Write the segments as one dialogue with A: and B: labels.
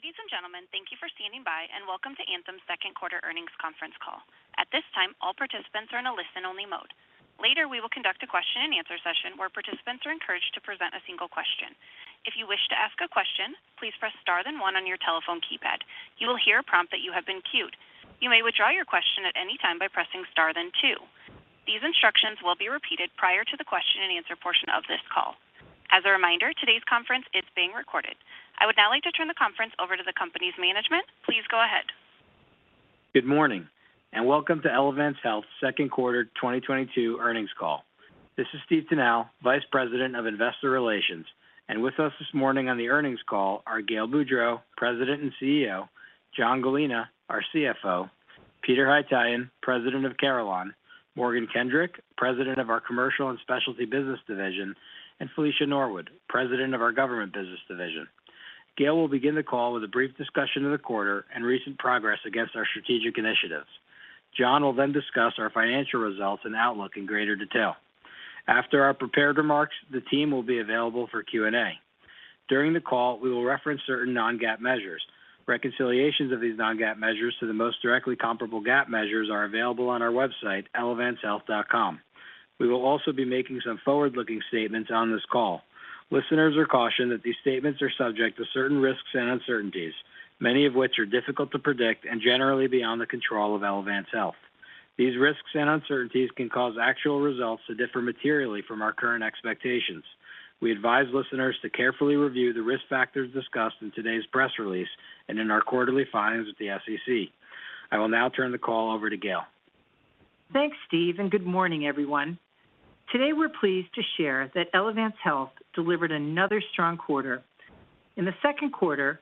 A: Ladies and gentlemen, thank you for standing by, and welcome to Elevance Health's second quarter earnings conference call. At this time, all participants are in a listen only mode. Later, we will conduct a question-and-answer session where participants are encouraged to present a single question. If you wish to ask a question, please press star then one on your telephone keypad. You will hear a prompt that you have been queued. You may withdraw your question at any time by pressing star then two. These instructions will be repeated prior to the question and answer portion of this call. As a reminder, today's conference is being recorded. I would now like to turn the conference over to the company's management. Please go ahead.
B: Good morning, and welcome to Elevance Health second quarter 2022 earnings call. This is Steve Tanal, Vice President of Investor Relations. With us this morning on the earnings call are Gail Boudreaux, President and CEO, John Gallina, our CFO, Peter Haytaian, President of Carelon, Morgan Kendrick, President of our Commercial and Specialty Business division, and Felicia Norwood, President of our Government Business division. Gail will begin the call with a brief discussion of the quarter and recent progress against our strategic initiatives. John will then discuss our financial results and outlook in greater detail. After our prepared remarks, the team will be available for Q&A. During the call, we will reference certain non-GAAP measures. Reconciliations of these non-GAAP measures to the most directly comparable GAAP measures are available on our website, elevancehealth.com. We will also be making some forward-looking statements on this call. Listeners are cautioned that these statements are subject to certain risks and uncertainties, many of which are difficult to predict and generally beyond the control of Elevance Health. These risks and uncertainties can cause actual results to differ materially from our current expectations. We advise listeners to carefully review the risk factors discussed in today's press release and in our quarterly filings with the SEC. I will now turn the call over to Gail.
C: Thanks, Steve, and good morning, everyone. Today, we're pleased to share that Elevance Health delivered another strong quarter. In the second quarter,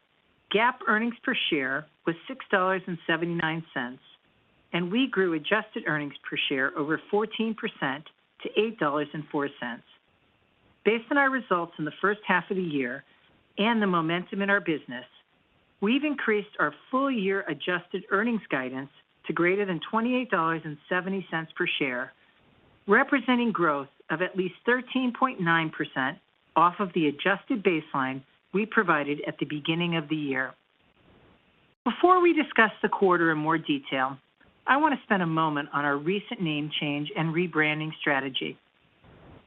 C: GAAP earnings per share was $6.79, and we grew adjusted earnings per share over 14% to $8.04. Based on our results in the first half of the year and the momentum in our business, we've increased our full year adjusted earnings guidance to greater than $28.70 per share, representing growth of at least 13.9% off of the adjusted baseline we provided at the beginning of the year. Before we discuss the quarter in more detail, I want to spend a moment on our recent name change and rebranding strategy.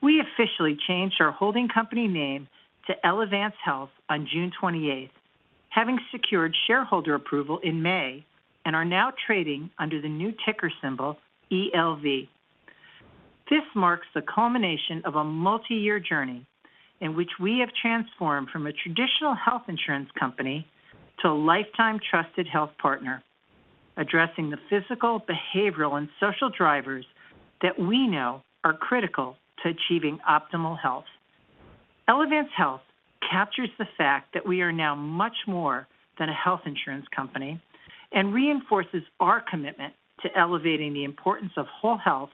C: We officially changed our holding company name to Elevance Health on June 28th, having secured shareholder approval in May, and are now trading under the new ticker symbol ELV. This marks the culmination of a multi-year journey in which we have transformed from a traditional health insurance company to a lifetime trusted health partner, addressing the physical, behavioral, and social drivers that we know are critical to achieving optimal health. Elevance Health captures the fact that we are now much more than a health insurance company and reinforces our commitment to elevating the importance of whole health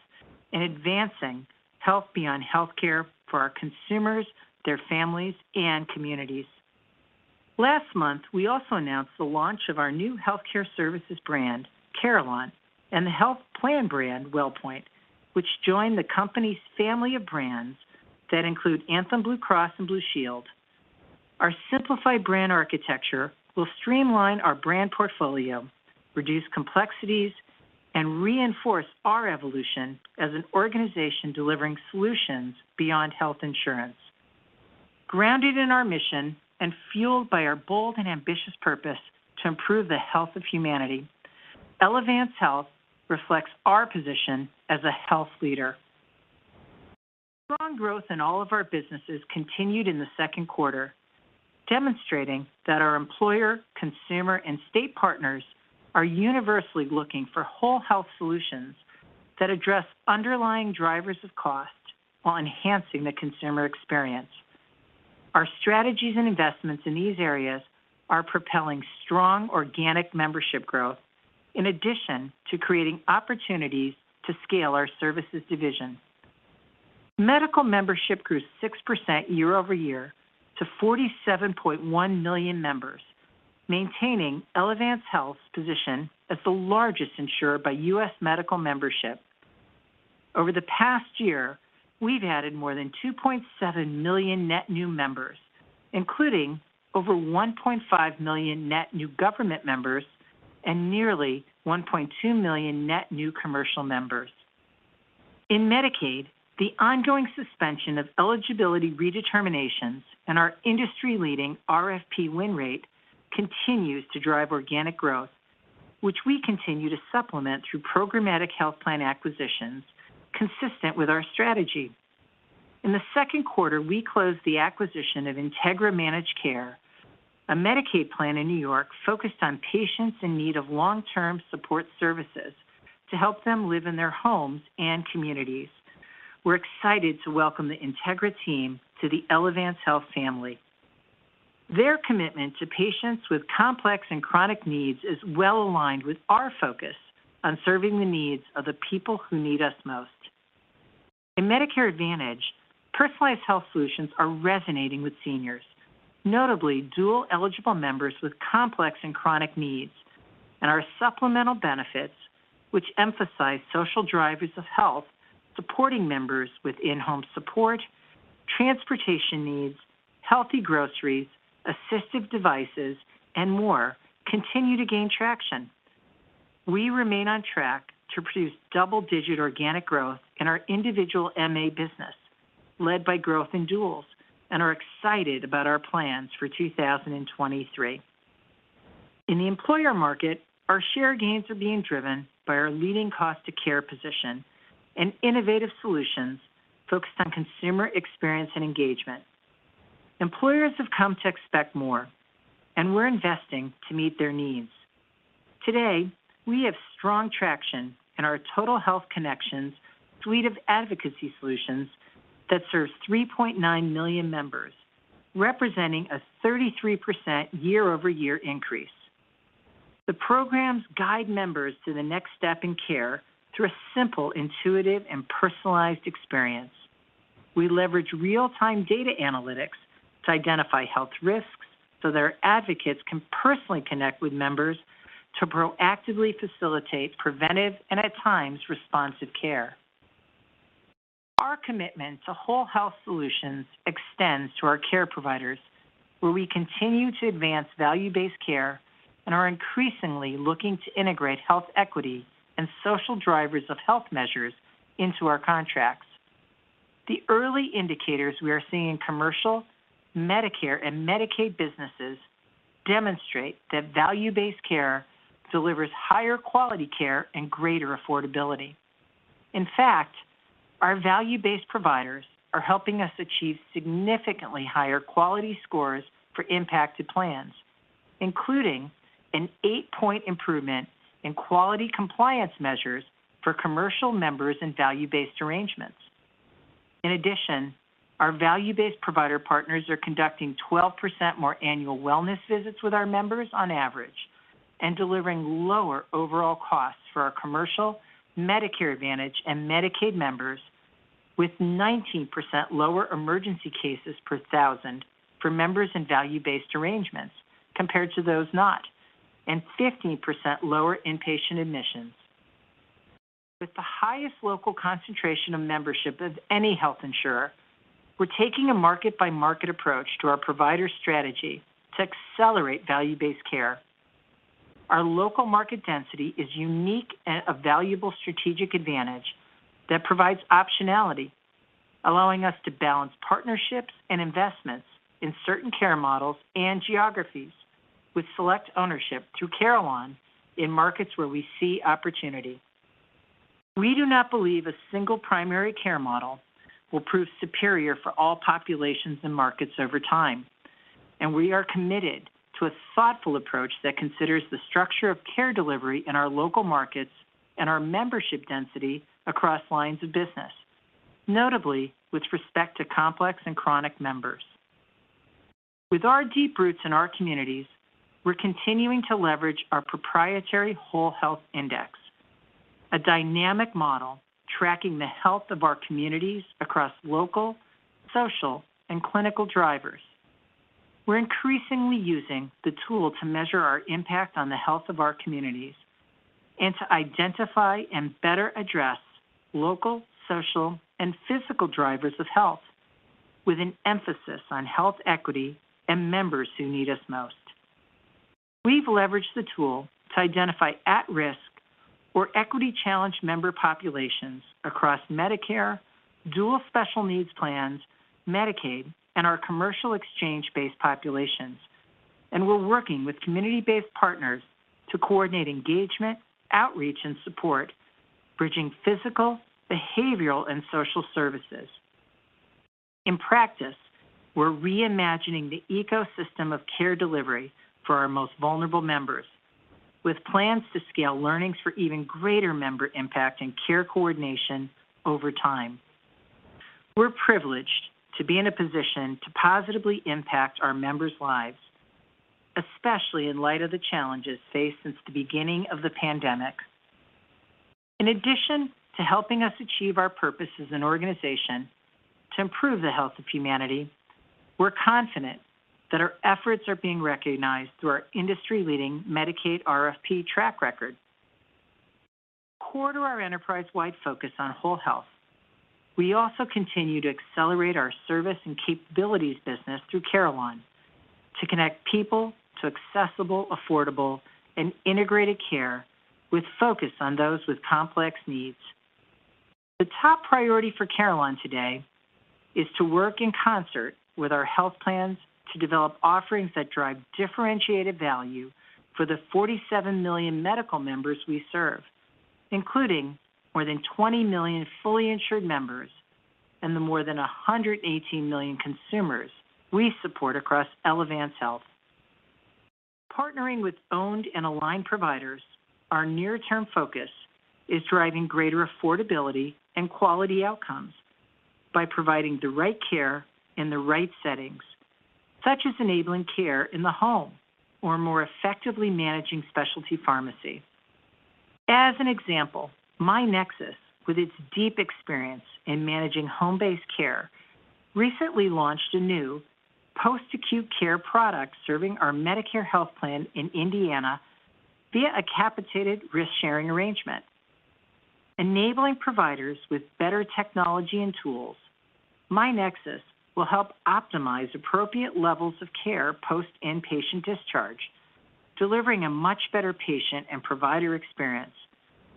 C: and advancing health beyond healthcare for our consumers, their families, and communities. Last month, we also announced the launch of our new healthcare services brand, Carelon, and the health plan brand, Wellpoint, which joined the company's family of brands that include Anthem Blue Cross and Blue Shield. Our simplified brand architecture will streamline our brand portfolio, reduce complexities, and reinforce our evolution as an organization delivering solutions beyond health insurance. Grounded in our mission and fueled by our bold and ambitious purpose to improve the health of humanity, Elevance Health reflects our position as a health leader. Strong growth in all of our businesses continued in the second quarter, demonstrating that our employer, consumer, and state partners are universally looking for whole health solutions that address underlying drivers of cost while enhancing the consumer experience. Our strategies and investments in these areas are propelling strong organic membership growth in addition to creating opportunities to scale our services division. Medical membership grew 6% year-over-year to 47.1 million members, maintaining Elevance Health's position as the largest insurer by U.S. medical membership. Over the past year, we've added more than 2.7 million net new members, including over 1.5 million net new government members and nearly 1.2 million net new commercial members. In Medicaid, the ongoing suspension of eligibility redeterminations and our industry-leading RFP win rate continues to drive organic growth, which we continue to supplement through programmatic health plan acquisitions consistent with our strategy. In the second quarter, we closed the acquisition of Integra Managed Care, a Medicaid plan in New York focused on patients in need of long-term support services to help them live in their homes and communities. We're excited to welcome the Integra team to the Elevance Health family. Their commitment to patients with complex and chronic needs is well aligned with our focus on serving the needs of the people who need us most. In Medicare Advantage, personalized health solutions are resonating with seniors, notably dual eligible members with complex and chronic needs. Our supplemental benefits, which emphasize social drivers of health, supporting members with in-home support, transportation needs, healthy groceries, assistive devices, and more, continue to gain traction. We remain on track to produce double-digit organic growth in our individual MA business, led by growth in duals, and are excited about our plans for 2023. In the employer market, our share gains are being driven by our leading cost to care position and innovative solutions focused on consumer experience and engagement. Employers have come to expect more, and we're investing to meet their needs. Today, we have strong traction in our Total Health Connections suite of advocacy solutions that serves 3.9 million members, representing a 33% year-over-year increase. The programs guide members to the next step in care through a simple, intuitive, and personalized experience. We leverage real-time data analytics to identify health risks so their advocates can personally connect with members to proactively facilitate preventive and, at times, responsive care. Our commitment to whole health solutions extends to our care providers, where we continue to advance value-based care and are increasingly looking to integrate health equity and social drivers of health measures into our contracts. The early indicators we are seeing in commercial, Medicare, and Medicaid businesses demonstrate that value-based care delivers higher quality care and greater affordability. In fact, our value-based providers are helping us achieve significantly higher quality scores for impacted plans, including an 8-percentage-point improvement in quality compliance measures for commercial members in value-based arrangements. In addition, our value-based provider partners are conducting 12% more annual wellness visits with our members on average and delivering lower overall costs for our commercial, Medicare Advantage, and Medicaid members with 19% lower emergency cases per 1,000 for members in value-based arrangements compared to those not, and 50% lower inpatient admissions. With the highest local concentration of membership of any health insurer, we're taking a market-by-market approach to our provider strategy to accelerate value-based care. Our local market density is unique and a valuable strategic advantage that provides optionality, allowing us to balance partnerships and investments in certain care models and geographies with select ownership through Carelon in markets where we see opportunity. We do not believe a single primary care model will prove superior for all populations and markets over time, and we are committed to a thoughtful approach that considers the structure of care delivery in our local markets and our membership density across lines of business, notably with respect to complex and chronic members. With our deep roots in our communities, we're continuing to leverage our proprietary Whole Health Index, a dynamic model tracking the health of our communities across local, social, and clinical drivers. We're increasingly using the tool to measure our impact on the health of our communities and to identify and better address local, social, and physical drivers of health with an emphasis on health equity and members who need us most. We've leveraged the tool to identify at-risk or equity-challenged member populations across Medicare, dual special needs plans, Medicaid, and our commercial exchange-based populations. We're working with community-based partners to coordinate engagement, outreach, and support, bridging physical, behavioral, and social services. In practice, we're reimagining the ecosystem of care delivery for our most vulnerable members with plans to scale learnings for even greater member impact and care coordination over time. We're privileged to be in a position to positively impact our members' lives, especially in light of the challenges faced since the beginning of the pandemic. In addition to helping us achieve our purpose as an organization to improve the health of humanity, we're confident that our efforts are being recognized through our industry-leading Medicaid RFP track record. Core to our enterprise-wide focus on whole health, we also continue to accelerate our service and capabilities business through Carelon to connect people to accessible, affordable, and integrated care with focus on those with complex needs. The top priority for Carelon today is to work in concert with our health plans to develop offerings that drive differentiated value for the 47 million medical members we serve, including more than 20 million fully insured members and the more than 118 million consumers we support across Elevance Health. Partnering with owned and aligned providers, our near-term focus is driving greater affordability and quality outcomes by providing the right care in the right settings, such as enabling care in the home or more effectively managing specialty pharmacy. As an example, myNEXUS, with its deep experience in managing home-based care, recently launched a new post-acute care product serving our Medicare health plan in Indiana via a capitated risk-sharing arrangement. Enabling providers with better technology and tools, myNEXUS will help optimize appropriate levels of care post inpatient discharge, delivering a much better patient and provider experience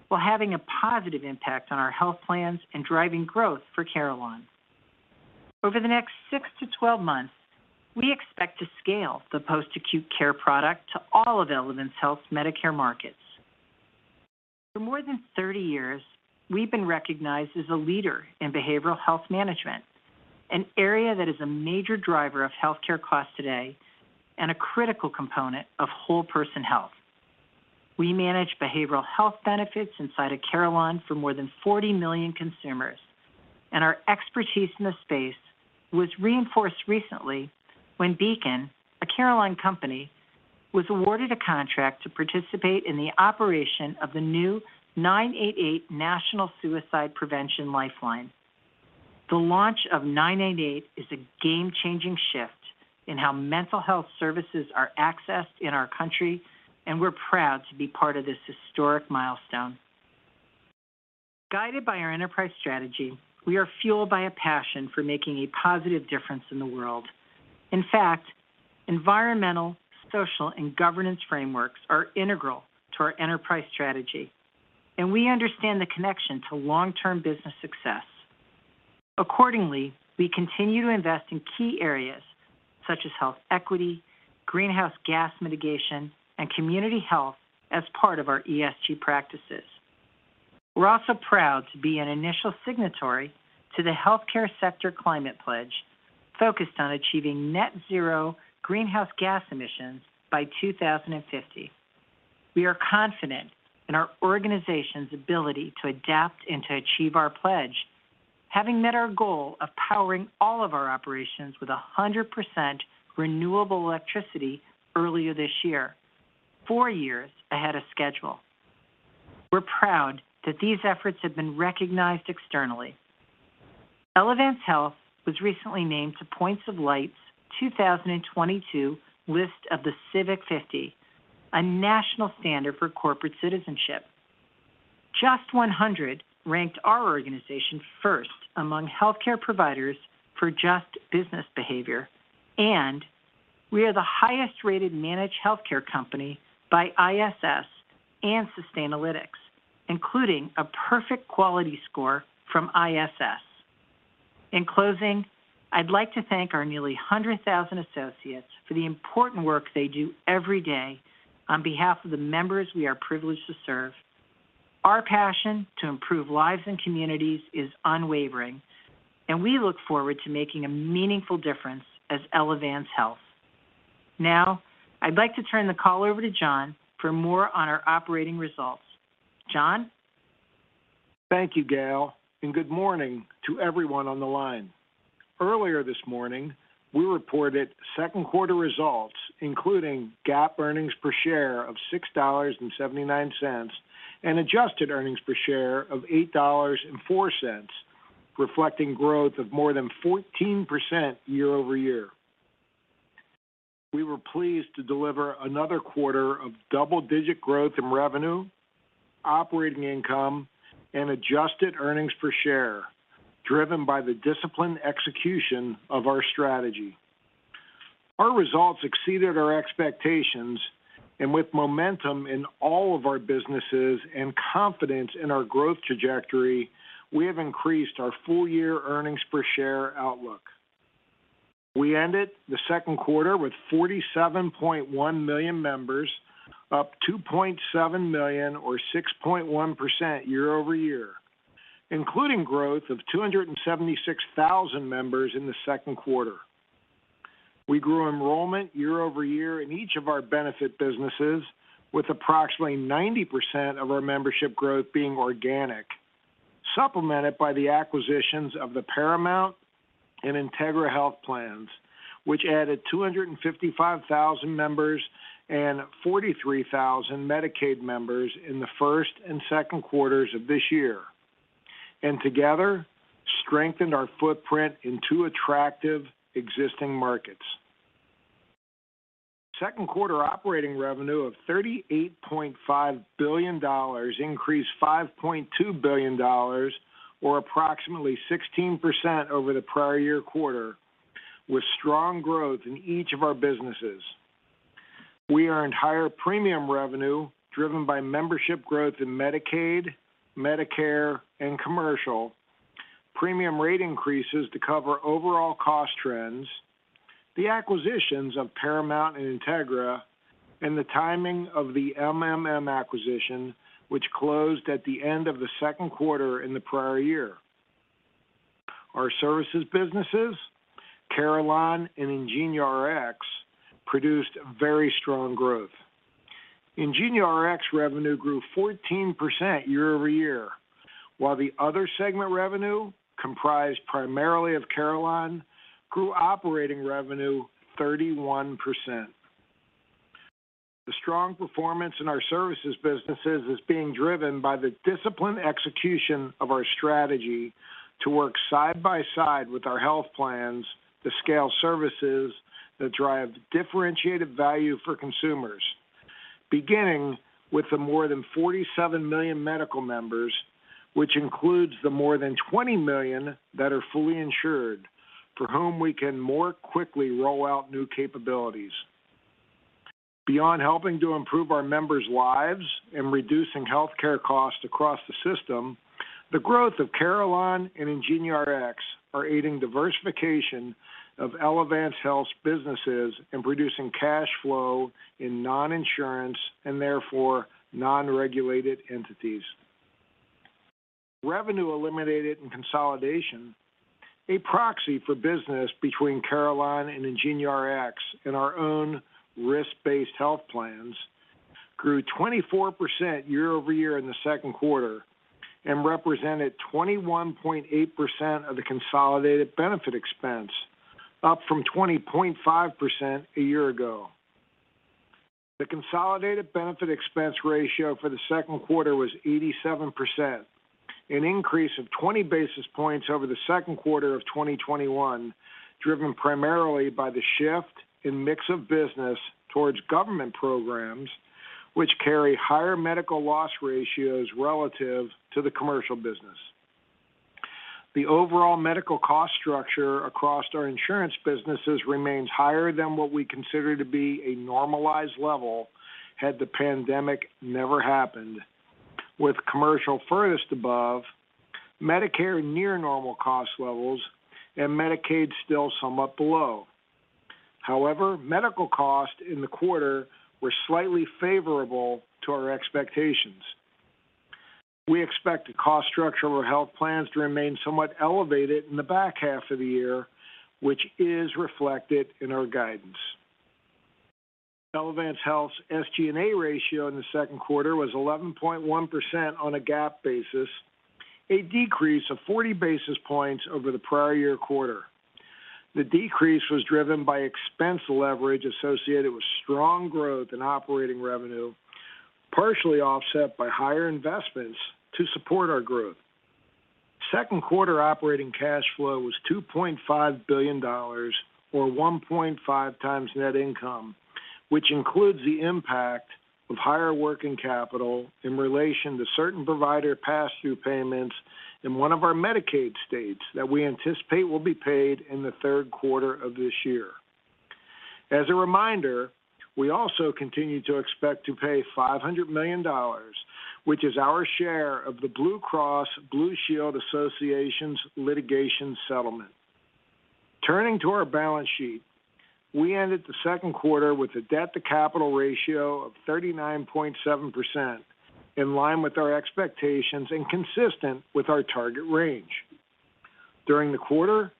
C: while having a positive impact on our health plans and driving growth for Carelon. Over the next six to 12 months, we expect to scale the post-acute care product to all of Elevance Health Medicare markets. For more than 30 years, we've been recognized as a leader in behavioral health management, an area that is a major driver of healthcare costs today and a critical component of whole person health. We manage behavioral health benefits inside of Carelon for more than 40 million consumers, and our expertise in this space was reinforced recently when Beacon, a Carelon company, was awarded a contract to participate in the operation of the new 988 Suicide & Crisis Lifeline. The launch of 988 is a game-changing shift in how mental health services are accessed in our country, and we're proud to be part of this historic milestone. Guided by our enterprise strategy, we are fueled by a passion for making a positive difference in the world. In fact, environmental, social, and governance frameworks are integral to our enterprise strategy, and we understand the connection to long-term business success. Accordingly, we continue to invest in key areas such as health equity, greenhouse gas mitigation, and community health as part of our ESG practices. We're also proud to be an initial signatory to the Healthcare Sector Climate Pledge focused on achieving net zero greenhouse gas emissions by 2050. We are confident in our organization's ability to adapt and to achieve our pledge, having met our goal of powering all of our operations with 100% renewable electricity earlier this year, four years ahead of schedule. We're proud that these efforts have been recognized externally. Elevance Health was recently named to Points of Light's 2022 list of the Civic 50, a national standard for corporate citizenship. JUST 100 ranked our organization first among healthcare providers for JUST business behavior, and we are the highest-rated managed healthcare company by ISS and Sustainalytics, including a perfect quality score from ISS. In closing, I'd like to thank our nearly 100,000 associates for the important work they do every day on behalf of the members we are privileged to serve. Our passion to improve lives and communities is unwavering, and we look forward to making a meaningful difference as Elevance Health. Now, I'd like to turn the call over to John for more on our operating results. John?
D: Thank you, Gail, and good morning to everyone on the line. Earlier this morning, we reported second quarter results, including GAAP earnings per share of $6.79, and adjusted earnings per share of $8.04, reflecting growth of more than 14% year-over-year. We were pleased to deliver another quarter of double-digit growth in revenue, operating income, and adjusted earnings per share, driven by the disciplined execution of our strategy. Our results exceeded our expectations, and with momentum in all of our businesses and confidence in our growth trajectory, we have increased our full year earnings per share outlook. We ended the second quarter with 47.1 million members, up 2.7 million or 6.1% year-over-year, including growth of 276,000 members in the second quarter. We grew enrollment year-over-year in each of our benefit businesses with approximately 90% of our membership growth being organic, supplemented by the acquisitions of the Paramount Advantage and Integra Managed Care, which added 255,000 members and 43,000 Medicaid members in the first and second quarters of this year, and together strengthened our footprint in two attractive existing markets. Second quarter operating revenue of $38.5 billion increased $5.2 billion or approximately 16% over the prior year quarter with strong growth in each of our businesses. We earned higher premium revenue driven by membership growth in Medicaid, Medicare, and commercial, premium rate increases to cover overall cost trends, the acquisitions of Paramount Advantage and Integra Managed Care, and the timing of the MMM Holdings acquisition, which closed at the end of the second quarter in the prior year. Our services businesses, Carelon and IngenioRx, produced very strong growth. IngenioRx revenue grew 14% year-over-year. While the other segment revenue, comprised primarily of Carelon, grew operating revenue 31%. The strong performance in our services businesses is being driven by the disciplined execution of our strategy to work side by side with our health plans to scale services that drive differentiated value for consumers, beginning with the more than 47 million medical members, which includes the more than 20 million that are fully insured, for whom we can more quickly roll out new capabilities. Beyond helping to improve our members' lives and reducing healthcare costs across the system, the growth of Carelon and IngenioRx are aiding diversification of Elevance Health's businesses and producing cash flow in non-insurance, and therefore non-regulated entities. Revenue eliminated in consolidation, a proxy for business between Carelon and IngenioRx and our own risk-based health plans, grew 24% year-over-year in the second quarter and represented 21.8% of the consolidated benefit expense, up from 20.5% a year ago. The consolidated benefit expense ratio for the second quarter was 87%, an increase of 20 basis points over the second quarter of 2021, driven primarily by the shift in mix of business towards government programs, which carry higher medical loss ratios relative to the Commercial business. The overall medical cost structure across our insurance businesses remains higher than what we consider to be a normalized level had the pandemic never happened, with commercial furthest above, Medicare near normal cost levels, and Medicaid still somewhat below. However, medical costs in the quarter were slightly favorable to our expectations. We expect the cost structure of our health plans to remain somewhat elevated in the back half of the year, which is reflected in our guidance. Elevance Health's SG&A ratio in the second quarter was 11.1% on a GAAP basis, a decrease of 40 basis points over the prior year quarter. The decrease was driven by expense leverage associated with strong growth in operating revenue, partially offset by higher investments to support our growth. Second quarter operating cash flow was $2.5 billion, or 1.5x net income, which includes the impact of higher working capital in relation to certain provider pass-through payments in one of our Medicaid states that we anticipate will be paid in the third quarter of this year. As a reminder, we also continue to expect to pay $500 million, which is our share of the Blue Cross Blue Shield Association's litigation settlement. Turning to our balance sheet, we ended the second quarter with a debt-to-capital ratio of 39.7%, in line with our expectations and consistent with our target range. During the quarter,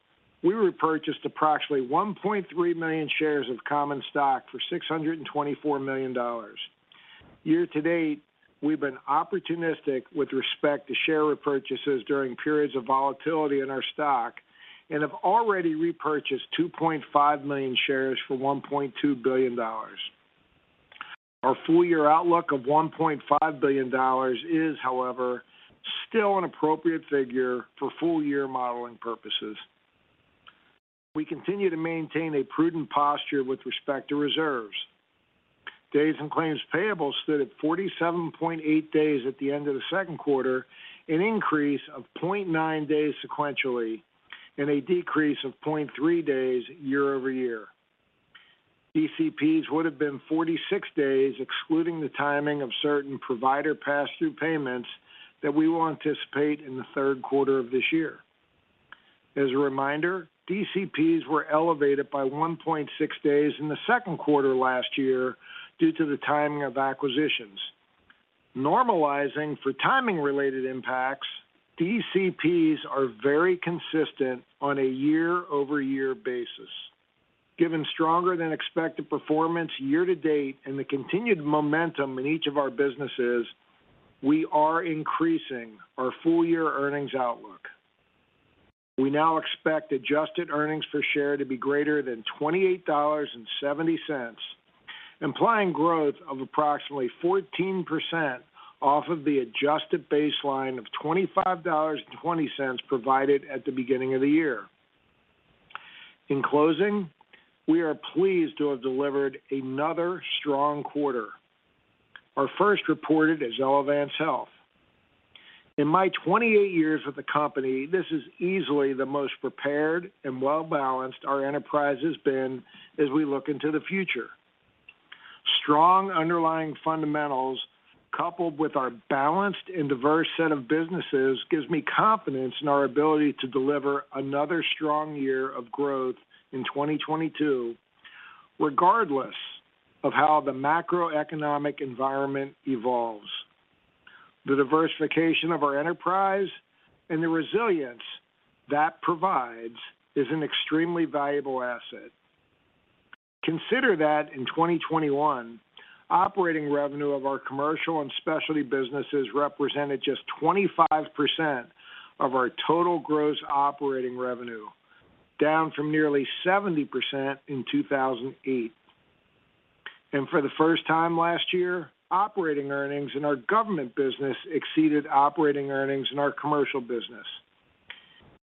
D: we repurchased approximately 1.3 million shares of common stock for $624 million. Year to date, we've been opportunistic with respect to share repurchases during periods of volatility in our stock and have already repurchased 2.5 million shares for $1.2 billion. Our full year outlook of $1.5 billion is, however, still an appropriate figure for full year modeling purposes. We continue to maintain a prudent posture with respect to reserves. Days in claims payable stood at 47.8 days at the end of the second quarter, an increase of 0.9 days sequentially and a decrease of 0.3 days year-over-year. DCPs would have been 46 days, excluding the timing of certain provider pass-through payments that we will anticipate in the third quarter of this year. As a reminder, DCPs were elevated by 1.6 days in the second quarter last year due to the timing of acquisitions. Normalizing for timing-related impacts, DCPs are very consistent on a year-over-year basis. Given stronger than expected performance year to date and the continued momentum in each of our businesses, we are increasing our full year earnings outlook. We now expect adjusted earnings per share to be greater than $28.70, implying growth of approximately 14% off the adjusted baseline of $25.20 provided at the beginning of the year. In closing, we are pleased to have delivered another strong quarter, our first reported as Elevance Health. In my 28 years with the company, this is easily the most prepared and well-balanced our enterprise has been as we look into the future. Strong underlying fundamentals coupled with our balanced and diverse set of businesses gives me confidence in our ability to deliver another strong year of growth in 2022, regardless of how the macroeconomic environment evolves. The diversification of our enterprise and the resilience that provides is an extremely valuable asset. Consider that in 2021, operating revenue of our Commercial and Specialty Businesses represented just 25% of our total gross operating revenue, down from nearly 70% in 2008. For the first time last year, operating earnings in our Government Business exceeded operating earnings in our Commercial business.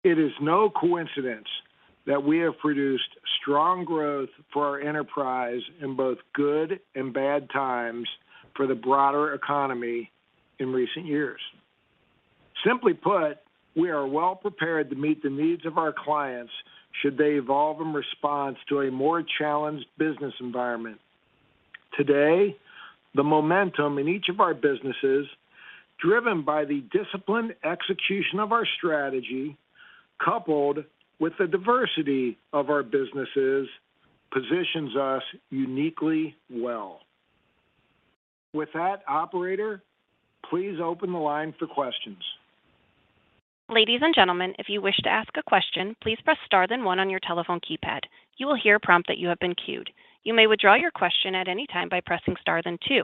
D: It is no coincidence that we have produced strong growth for our enterprise in both good and bad times for the broader economy in recent years. Simply put, we are well prepared to meet the needs of our clients should they evolve in response to a more challenged business environment. Today, the momentum in each of our businesses, driven by the disciplined execution of our strategy coupled with the diversity of our businesses, positions us uniquely well. With that, operator, please open the line for questions.
A: Ladies and gentlemen, if you wish to ask a question, please press star then one on your telephone keypad. You will hear a prompt that you have been queued. You may withdraw your question at any time by pressing star then two.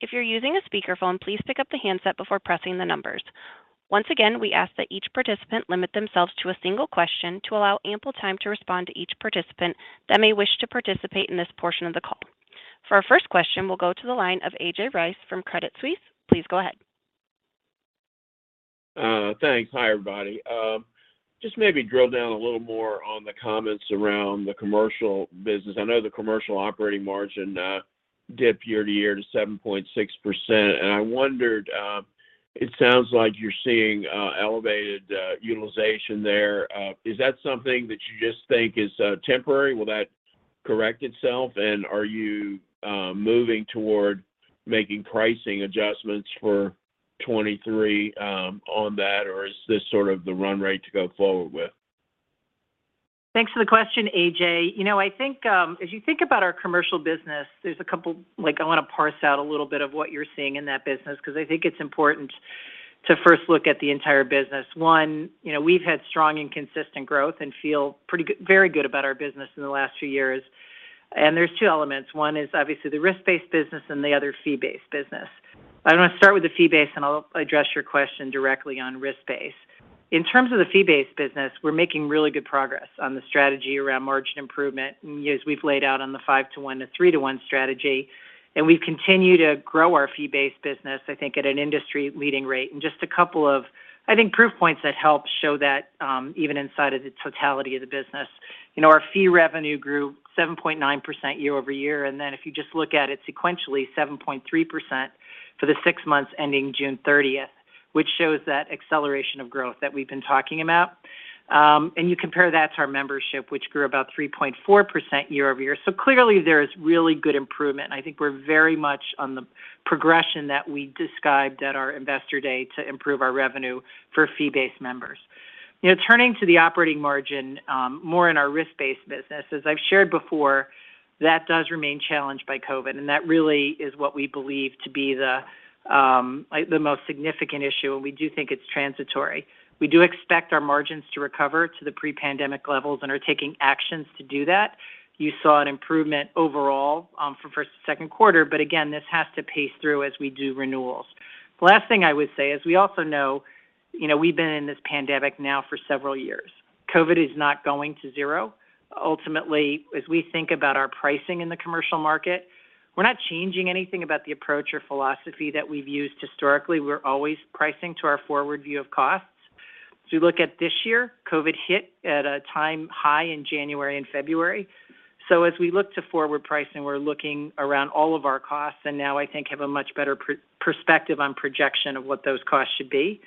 A: If you're using a speakerphone, please pick up the handset before pressing the numbers. Once again, we ask that each participant limit themselves to a single question to allow ample time to respond to each participant that may wish to participate in this portion of the call. For our first question, we'll go to the line of A.J. Rice from Credit Suisse. Please go ahead.
E: Thanks. Hi, everybody. Just maybe drill down a little more on the comments around the Commercial business. I know the Commercial operating margin dipped year-over-year to 7.6%. I wondered, it sounds like you're seeing elevated utilization there. Is that something that you just think is temporary? Will that correct itself? Are you moving toward making pricing adjustments for 2023 on that? Or is this sort of the run rate to go forward with?
C: Thanks for the question, A.J. You know, I think, as you think about our Commercial business, there's a couple, like, I want to parse out a little bit of what you're seeing in that business because I think it's important to first look at the entire business. One, you know, we've had strong and consistent growth and feel pretty good, very good about our business in the last few years. There's two elements. One is obviously the risk-based business and the other fee-based business. I'm going to start with the fee-based, and I'll address your question directly on risk-based. In terms of the fee-based business, we're making really good progress on the strategy around margin improvement as we've laid out on the 5:1 to 3:1 strategy. We've continued to grow our fee-based business, I think, at an industry-leading rate. Just a couple of, I think, proof points that help show that, even inside of the totality of the business. You know, our fee revenue grew 7.9% year-over-year. If you just look at it sequentially, 7.3% for the six months ending June 30th, which shows that acceleration of growth that we've been talking about. You compare that to our membership, which grew about 3.4% year-over-year. Clearly there is really good improvement, and I think we're very much on the progression that we described at our Investor Day to improve our revenue for fee-based members. You know, turning to the operating margin, more in our risk-based business, as I've shared before, that does remain challenged by COVID, and that really is what we believe to be the most significant issue, and we do think it's transitory. We do expect our margins to recover to the pre-pandemic levels and are taking actions to do that. You saw an improvement overall for first to second quarter, but again, this has to pace through as we do renewals. The last thing I would say is we also know, you know, we've been in this pandemic now for several years. COVID is not going to zero. Ultimately, as we think about our pricing in the commercial market, we're not changing anything about the approach or philosophy that we've used historically. We're always pricing to our forward view of costs. As we look at this year, COVID hit at an all-time high in January and February. As we look to forward pricing, we're looking at all of our costs, and now I think have a much better perspective on projection of what those costs should be.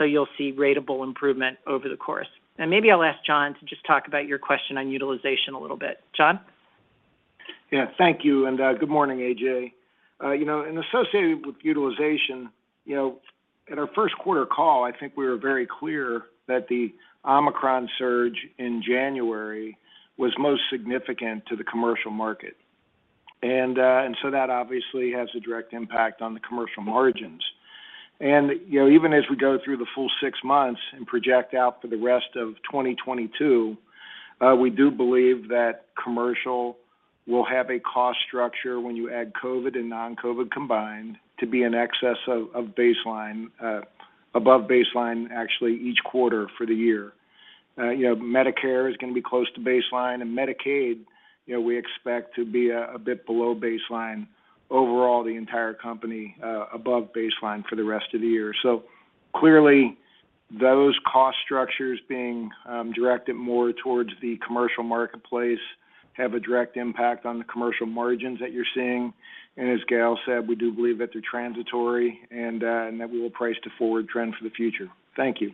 C: You'll see ratable improvement over the course. Maybe I'll ask John to just talk about your question on utilization a little bit. John?
D: Yeah. Thank you, and good morning, A.J. You know, associated with utilization, you know, at our first quarter call, I think we were very clear that the Omicron surge in January was most significant to the commercial market. That obviously has a direct impact on the Commercial margins. You know, even as we go through the full six months and project out for the rest of 2022, we do believe that Commercial will have a cost structure when you add COVID and non-COVID combined to be in excess of baseline, above baseline, actually, each quarter for the year. You know, Medicare is going to be close to baseline, and Medicaid, you know, we expect to be a bit below baseline. Overall, the entire company, above baseline for the rest of the year. Clearly, those cost structures being directed more towards the commercial marketplace have a direct impact on the Commercial margins that you're seeing. As Gail said, we do believe that they're transitory and that we will price to forward trend for the future. Thank you.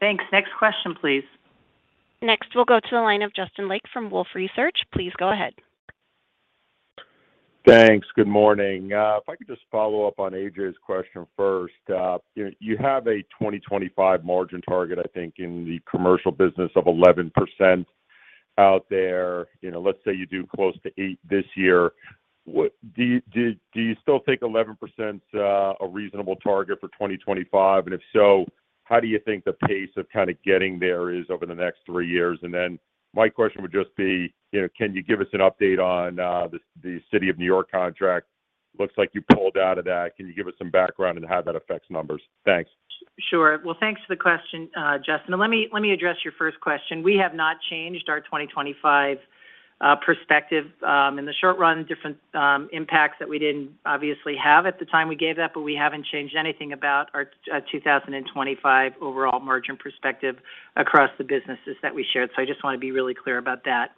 C: Thanks. Next question, please.
A: Next, we'll go to the line of Justin Lake from Wolfe Research. Please go ahead.
F: Thanks. Good morning. If I could just follow up on A.J.'s question first. You have a 2025 margin target, I think, in the Commercial business of 11% out there. You know, let's say you do close to 8% this year. What do you still think 11%'s a reasonable target for 2025? And if so, how do you think the pace of kinda getting there is over the next three years? Then my question would just be, you know, can you give us an update on, the city of New York contract? Looks like you pulled out of that. Can you give us some background on how that affects numbers? Thanks.
C: Sure. Well, thanks for the question, Justin. Let me address your first question. We have not changed our 2025 perspective in the short run. Different impacts that we didn't obviously have at the time we gave that, but we haven't changed anything about our 2025 overall margin perspective across the businesses that we shared. So I just wanna be really clear about that.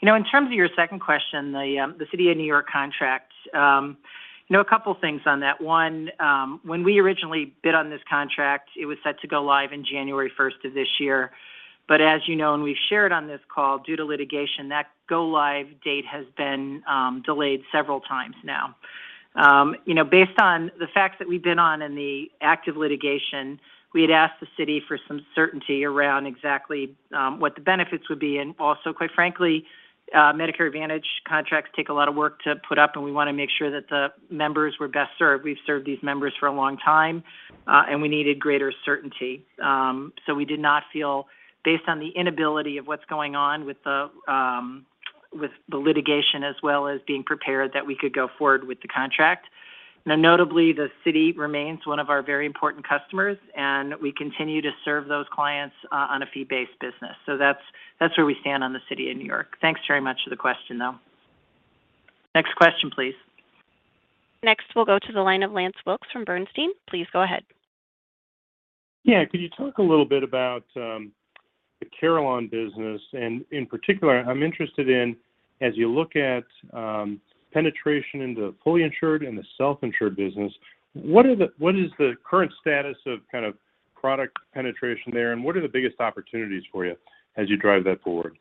C: You know, in terms of your second question, the city of New York contract, you know, a couple things on that. One, when we originally bid on this contract, it was set to go live in January 1st of this year. As you know and we've shared on this call, due to litigation, that go-live date has been delayed several times now. You know, based on the facts that we've been on and the active litigation, we had asked the city for some certainty around exactly what the benefits would be, and also, quite frankly, Medicare Advantage contracts take a lot of work to put up, and we wanna make sure that the members were best served. We've served these members for a long time, and we needed greater certainty. We did not feel, based on the inability of what's going on with the litigation as well as being prepared, that we could go forward with the contract. Now notably, the city remains one of our very important customers, and we continue to serve those clients on a fee-based business. That's where we stand on the city of New York. Thanks very much for the question, though. Next question, please.
A: Next, we'll go to the line of Lance Wilkes from Bernstein. Please go ahead.
G: Yeah, could you talk a little bit about the Carelon business? In particular, I'm interested in, as you look at, penetration into fully insured and the self-insured business, what is the current status of kind of product penetration there, and what are the biggest opportunities for you as you drive that forward?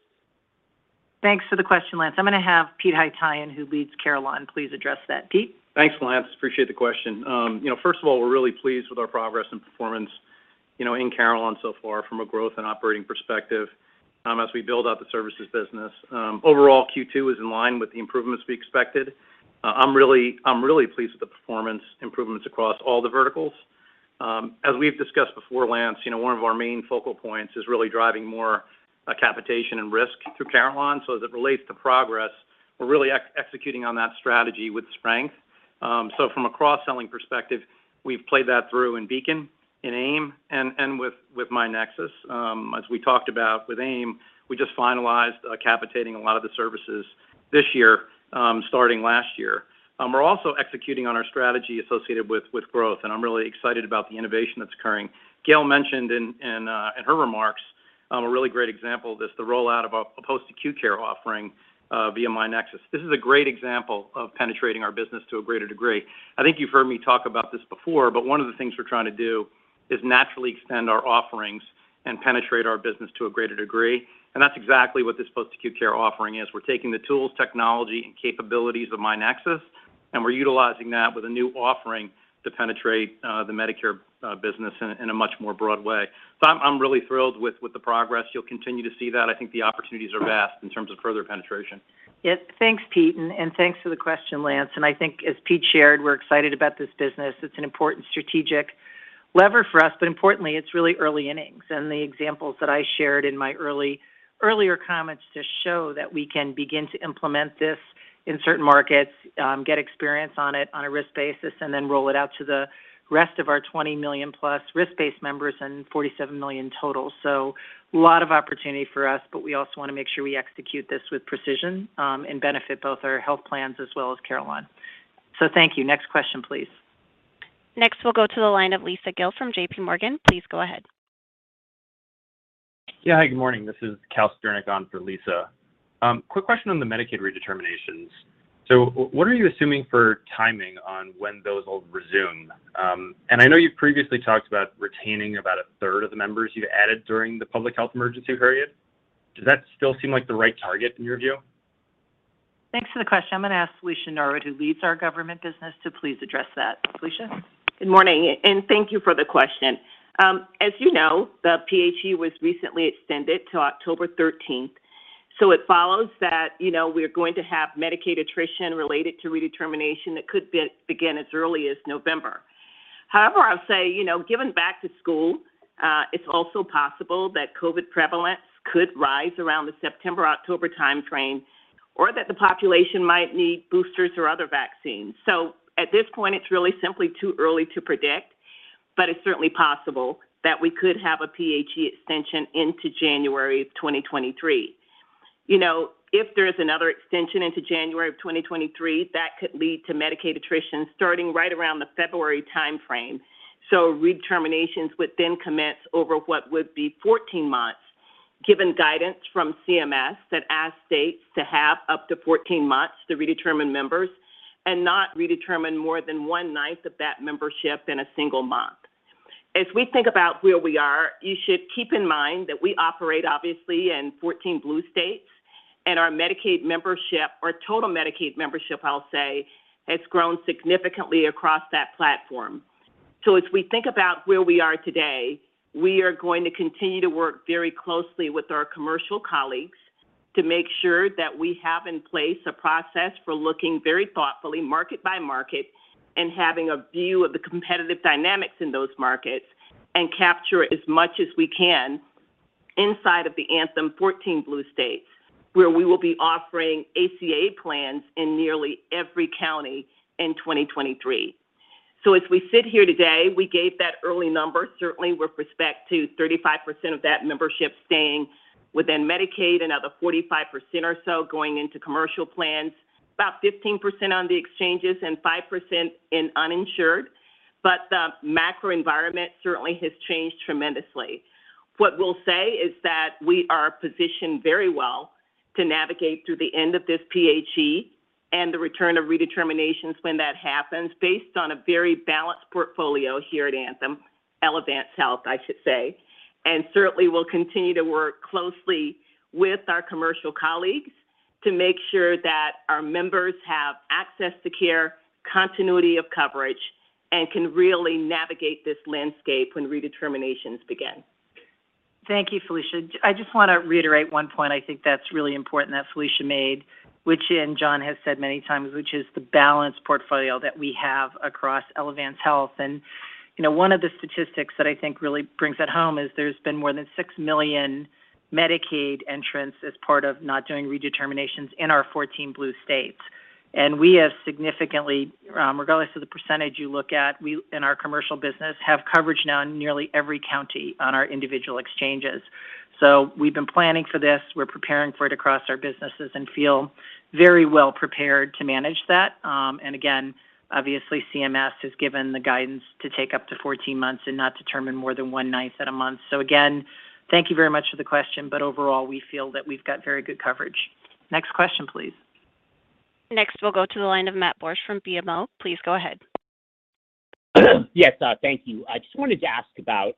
C: Thanks for the question, Lance. I'm gonna have Peter Haytaian, who leads Carelon, please address that. Pete?
H: Thanks, Lance. Appreciate the question. You know, first of all, we're really pleased with our progress and performance, you know, in Carelon so far from a growth and operating perspective, as we build out the services business. Overall, Q2 is in line with the improvements we expected. I'm really pleased with the performance improvements across all the verticals. As we've discussed before, Lance, you know, one of our main focal points is really driving more capitation and risk through Carelon. As it relates to progress, we're really executing on that strategy with strength. From a cross-selling perspective, we've played that through in Beacon, in AIM Specialty Health, and with myNEXUS. As we talked about with Aim, we just finalized capitating a lot of the services this year, starting last year. We're also executing on our strategy associated with growth, and I'm really excited about the innovation that's occurring. Gail mentioned in her remarks a really great example of this, the rollout of a post-acute care offering via myNEXUS. This is a great example of penetrating our business to a greater degree. I think you've heard me talk about this before, but one of the things we're trying to do is naturally extend our offerings and penetrate our business to a greater degree. That's exactly what this post-acute care offering is. We're taking the tools, technology, and capabilities of myNEXUS, and we're utilizing that with a new offering to penetrate the Medicare business in a much more broad way. I'm really thrilled with the progress. You'll continue to see that. I think the opportunities are vast in terms of further penetration.
C: Yeah. Thanks, Pete, and thanks for the question, Lance. I think as Pete shared, we're excited about this business. It's an important strategic lever for us, but importantly, it's really early innings. The examples that I shared in my earlier comments just show that we can begin to implement this in certain markets, get experience on it on a risk basis, and then roll it out to the rest of our 20 million+ risk-based members and 47 million total. A lot of opportunity for us, but we also wanna make sure we execute this with precision, and benefit both our health plans as well as Carelon. Thank you. Next question, please.
A: Next, we'll go to the line of Lisa Gill from JPMorgan. Please go ahead.
I: Yeah. Hi, good morning. This is Calvin Sternick on for Lisa. Quick question on the Medicaid redeterminations. What are you assuming for timing on when those will resume? I know you've previously talked about retaining about a third of the members you've added during the public health emergency period. Does that still seem like the right target in your view?
C: Thanks for the question. I'm gonna ask Felicia Norwood, who leads our Government business, to please address that. Felicia?
J: Good morning, and thank you for the question. As you know, the PHE was recently extended to October 13th, so it follows that, you know, we're going to have Medicaid attrition related to redetermination that could begin as early as November. However, I'll say, you know, given back to school, it's also possible that COVID prevalence could rise around the September, October time frame or that the population might need boosters or other vaccines. At this point it's really simply too early to predict, but it's certainly possible that we could have a PHE extension into January 2023. You know, if there is another extension into January 2023, that could lead to Medicaid attrition starting right around the February timeframe. So, redeterminations would then commence over what would be 14 months, given guidance from CMS that asks states to have up to 14 months to redetermine members and not redetermine more than one-ninth of that membership in a single month. As we think about where we are, you should keep in mind that we operate obviously in 14 Blue states, and our Medicaid membership, our total Medicaid membership, I'll say, has grown significantly across that platform. As we think about where we are today, we are going to continue to work very closely with our commercial colleagues. To make sure that we have in place a process for looking very thoughtfully market by market and having a view of the competitive dynamics in those markets and capture as much as we can inside of the Anthem's 14 Blue states, where we will be offering ACA plans in nearly every county in 2023. As we sit here today, we gave that early number, certainly with respect to 35% of that membership staying within Medicaid, another 45% or so going into commercial plans, about 15% on the exchanges, and 5% in uninsured. The macro environment certainly has changed tremendously. What we'll say is that we are positioned very well to navigate through the end of this PHE and the return of redeterminations when that happens, based on a very balanced portfolio here at Anthem, Elevance Health, I should say. Certainly, we'll continue to work closely with our commercial colleagues to make sure that our members have access to care, continuity of coverage, and can really navigate this landscape when redeterminations begin.
C: Thank you, Felicia. I just want to reiterate one point I think that's really important that Felicia made, which, and John has said many times, which is the balanced portfolio that we have across Elevance Health. You know, one of the statistics that I think really brings it home is there's been more than 6 million Medicaid entrants as part of not doing redeterminations in our 14 Blue states. We have significantly, regardless of the percentage you look at, we, in our commercial business, have coverage now in nearly every county on our individual exchanges. We've been planning for this, we're preparing for it across our businesses and feel very well prepared to manage that. Again, obviously, CMS has given the guidance to take up to 14 months and not determine more than 1/9 at a month. Again, thank you very much for the question, but overall, we feel that we've got very good coverage. Next question, please.
A: Next, we'll go to the line of Matt Borsch from BMO. Please go ahead.
K: Yes, thank you. I just wanted to ask about,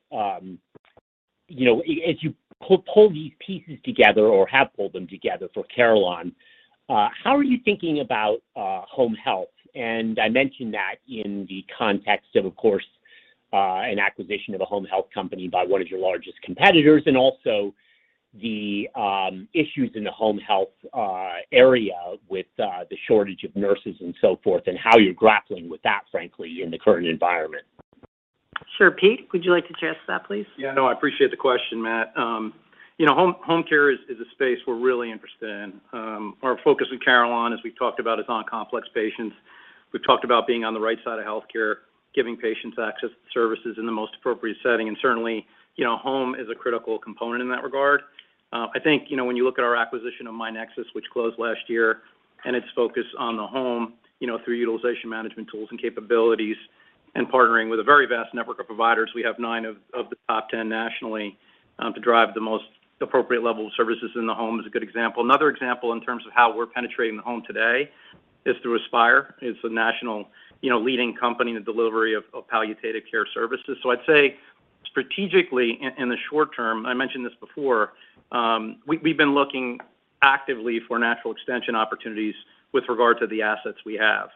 K: you know, as you pull these pieces together or have pulled them together for Carelon, how are you thinking about home health? I mention that in the context of course, an acquisition of a home health company by one of your largest competitors and also the issues in the home health area with the shortage of nurses and so forth and how you're grappling with that, frankly, in the current environment.
C: Sure. Pete, would you like to address that, please?
H: Yeah. No, I appreciate the question, Matt. You know, home care is a space we're really interested in. Our focus with Carelon, as we've talked about, is on complex patients. We've talked about being on the right side of healthcare, giving patients access to services in the most appropriate setting, and certainly, you know, home is a critical component in that regard. I think, you know, when you look at our acquisition of myNEXUS, which closed last year, and its focus on the home, you know, through utilization management tools and capabilities and partnering with a very vast network of providers, we have 9 of the top 10 nationally to drive the most appropriate level of services in the home is a good example. Another example in terms of how we're penetrating the home today is through Aspire. It's a national, you know, leading company in the delivery of palliative care services. I'd say strategically in the short term, I mentioned this before, we've been looking actively for natural extension opportunities with regard to the assets we have.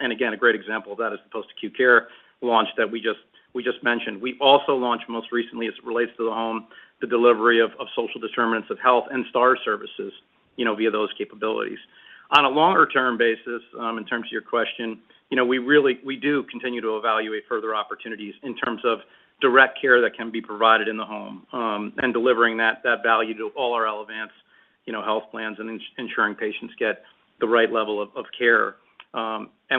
H: Again, a great example of that is the post-acute care launch that we just mentioned. We also launched most recently, as it relates to the home, the delivery of social determinants of health and STAR services, you know, via those capabilities. On a longer-term basis, in terms of your question, you know, we really do continue to evaluate further opportunities in terms of direct care that can be provided in the home, and delivering that value to all our Elevance Health plans and insuring patients get the right level of care.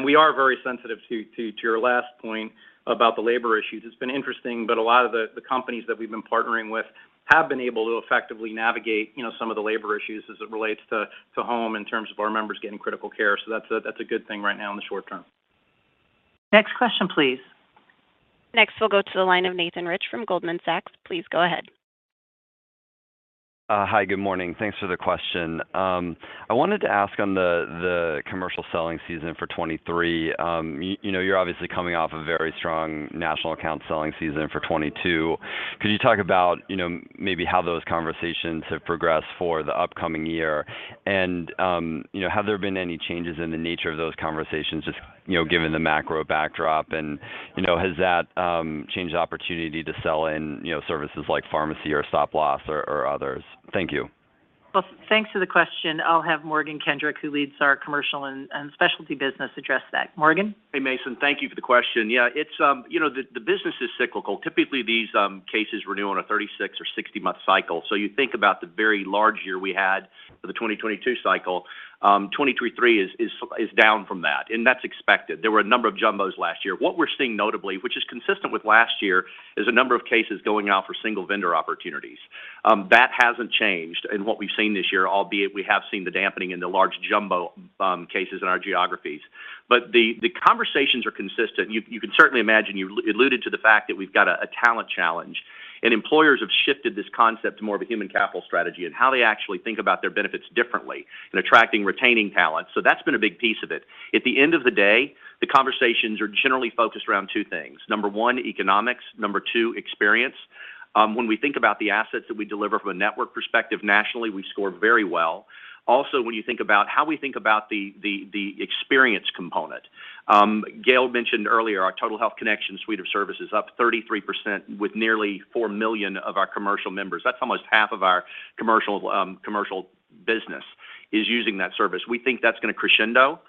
H: We are very sensitive to your last point about the labor issues. It's been interesting, but a lot of the companies that we've been partnering with have been able to effectively navigate, you know, some of the labor issues as it relates to home in terms of our members getting critical care. That's a good thing right now in the short term.
C: Next question, please.
A: Next, we'll go to the line of Nathan Rich from Goldman Sachs. Please go ahead.
L: Hi, good morning. Thanks for the question. I wanted to ask on the commercial selling season for 2023. You know, you're obviously coming off a very strong national account selling season for 2022. Could you talk about, you know, maybe how those conversations have progressed for the upcoming year? You know, have there been any changes in the nature of those conversations just, you know, given the macro backdrop? You know, has that changed the opportunity to sell in, you know, services like pharmacy or stop-loss or others? Thank you.
C: Well, thanks for the question. I'll have Morgan Kendrick, who leads our Commercial and Specialty Business, address that. Morgan?
M: Hey, Nathan, thank you for the question. Yeah, it's you know, the business is cyclical. Typically, these cases renew on a 36- or 60-month cycle. So you think about the very large year we had for the 2022 cycle, 2023 is down from that, and that's expected. There were a number of jumbos last year. What we're seeing notably, which is consistent with last year, is a number of cases going out for single vendor opportunities. That hasn't changed in what we've seen this year, albeit we have seen the dampening in the large jumbo cases in our geographies. The conversations are consistent. You can certainly imagine. You alluded to the fact that we've got a talent challenge, and employers have shifted this concept to more of a human capital strategy and how they actually think about their benefits differently in attracting, retaining talent. That's been a big piece of it. At the end of the day, the conversations are generally focused around two things. Number one, economics. Number two, experience. When we think about the assets that we deliver from a network perspective, nationally, we score very well. Also, when you think about how we think about the experience component. Gail mentioned earlier our Total Health Connection suite of services up 33% with nearly 4 million of our commercial members. That's almost half of our commercial business is using that service. We think that's going to crescendo.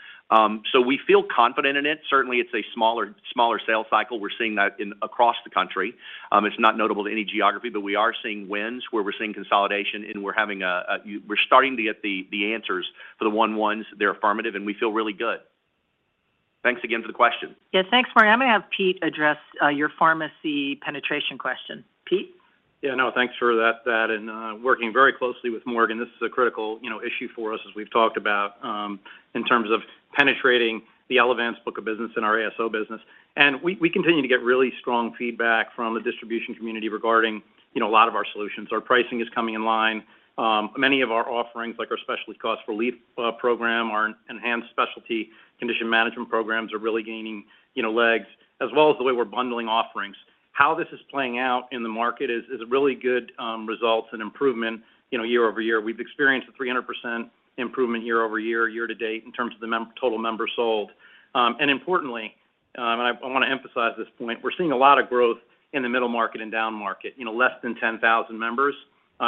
M: We feel confident in it. Certainly, it's a smaller sales cycle. We're seeing that across the country. It's not notable to any geography, but we are seeing wins, where we're seeing consolidation, and we're starting to get the answers for the one-ones. They're affirmative, and we feel really good. Thanks again for the question.
C: Yes. Thanks, Morgan. I'm going to have Pete address your pharmacy penetration question. Pete?
H: Yeah. No, thanks for that. Working very closely with Morgan, this is a critical, you know, issue for us as we've talked about in terms of penetrating the Elevance book of business and our ASO business. We continue to get really strong feedback from the distribution community regarding, you know, a lot of our solutions. Our pricing is coming in line. Many of our offerings, like our specialty cost relief program, our enhanced specialty condition management programs are really gaining, you know, legs, as well as the way we're bundling offerings. How this is playing out in the market is really good results and improvement, you know, year-over-year. We've experienced a 300% improvement year-over-year, year-to-date in terms of the total members sold. Importantly, I wanna emphasize this point, we're seeing a lot of growth in the middle market and down market, you know, less than 10,000 members.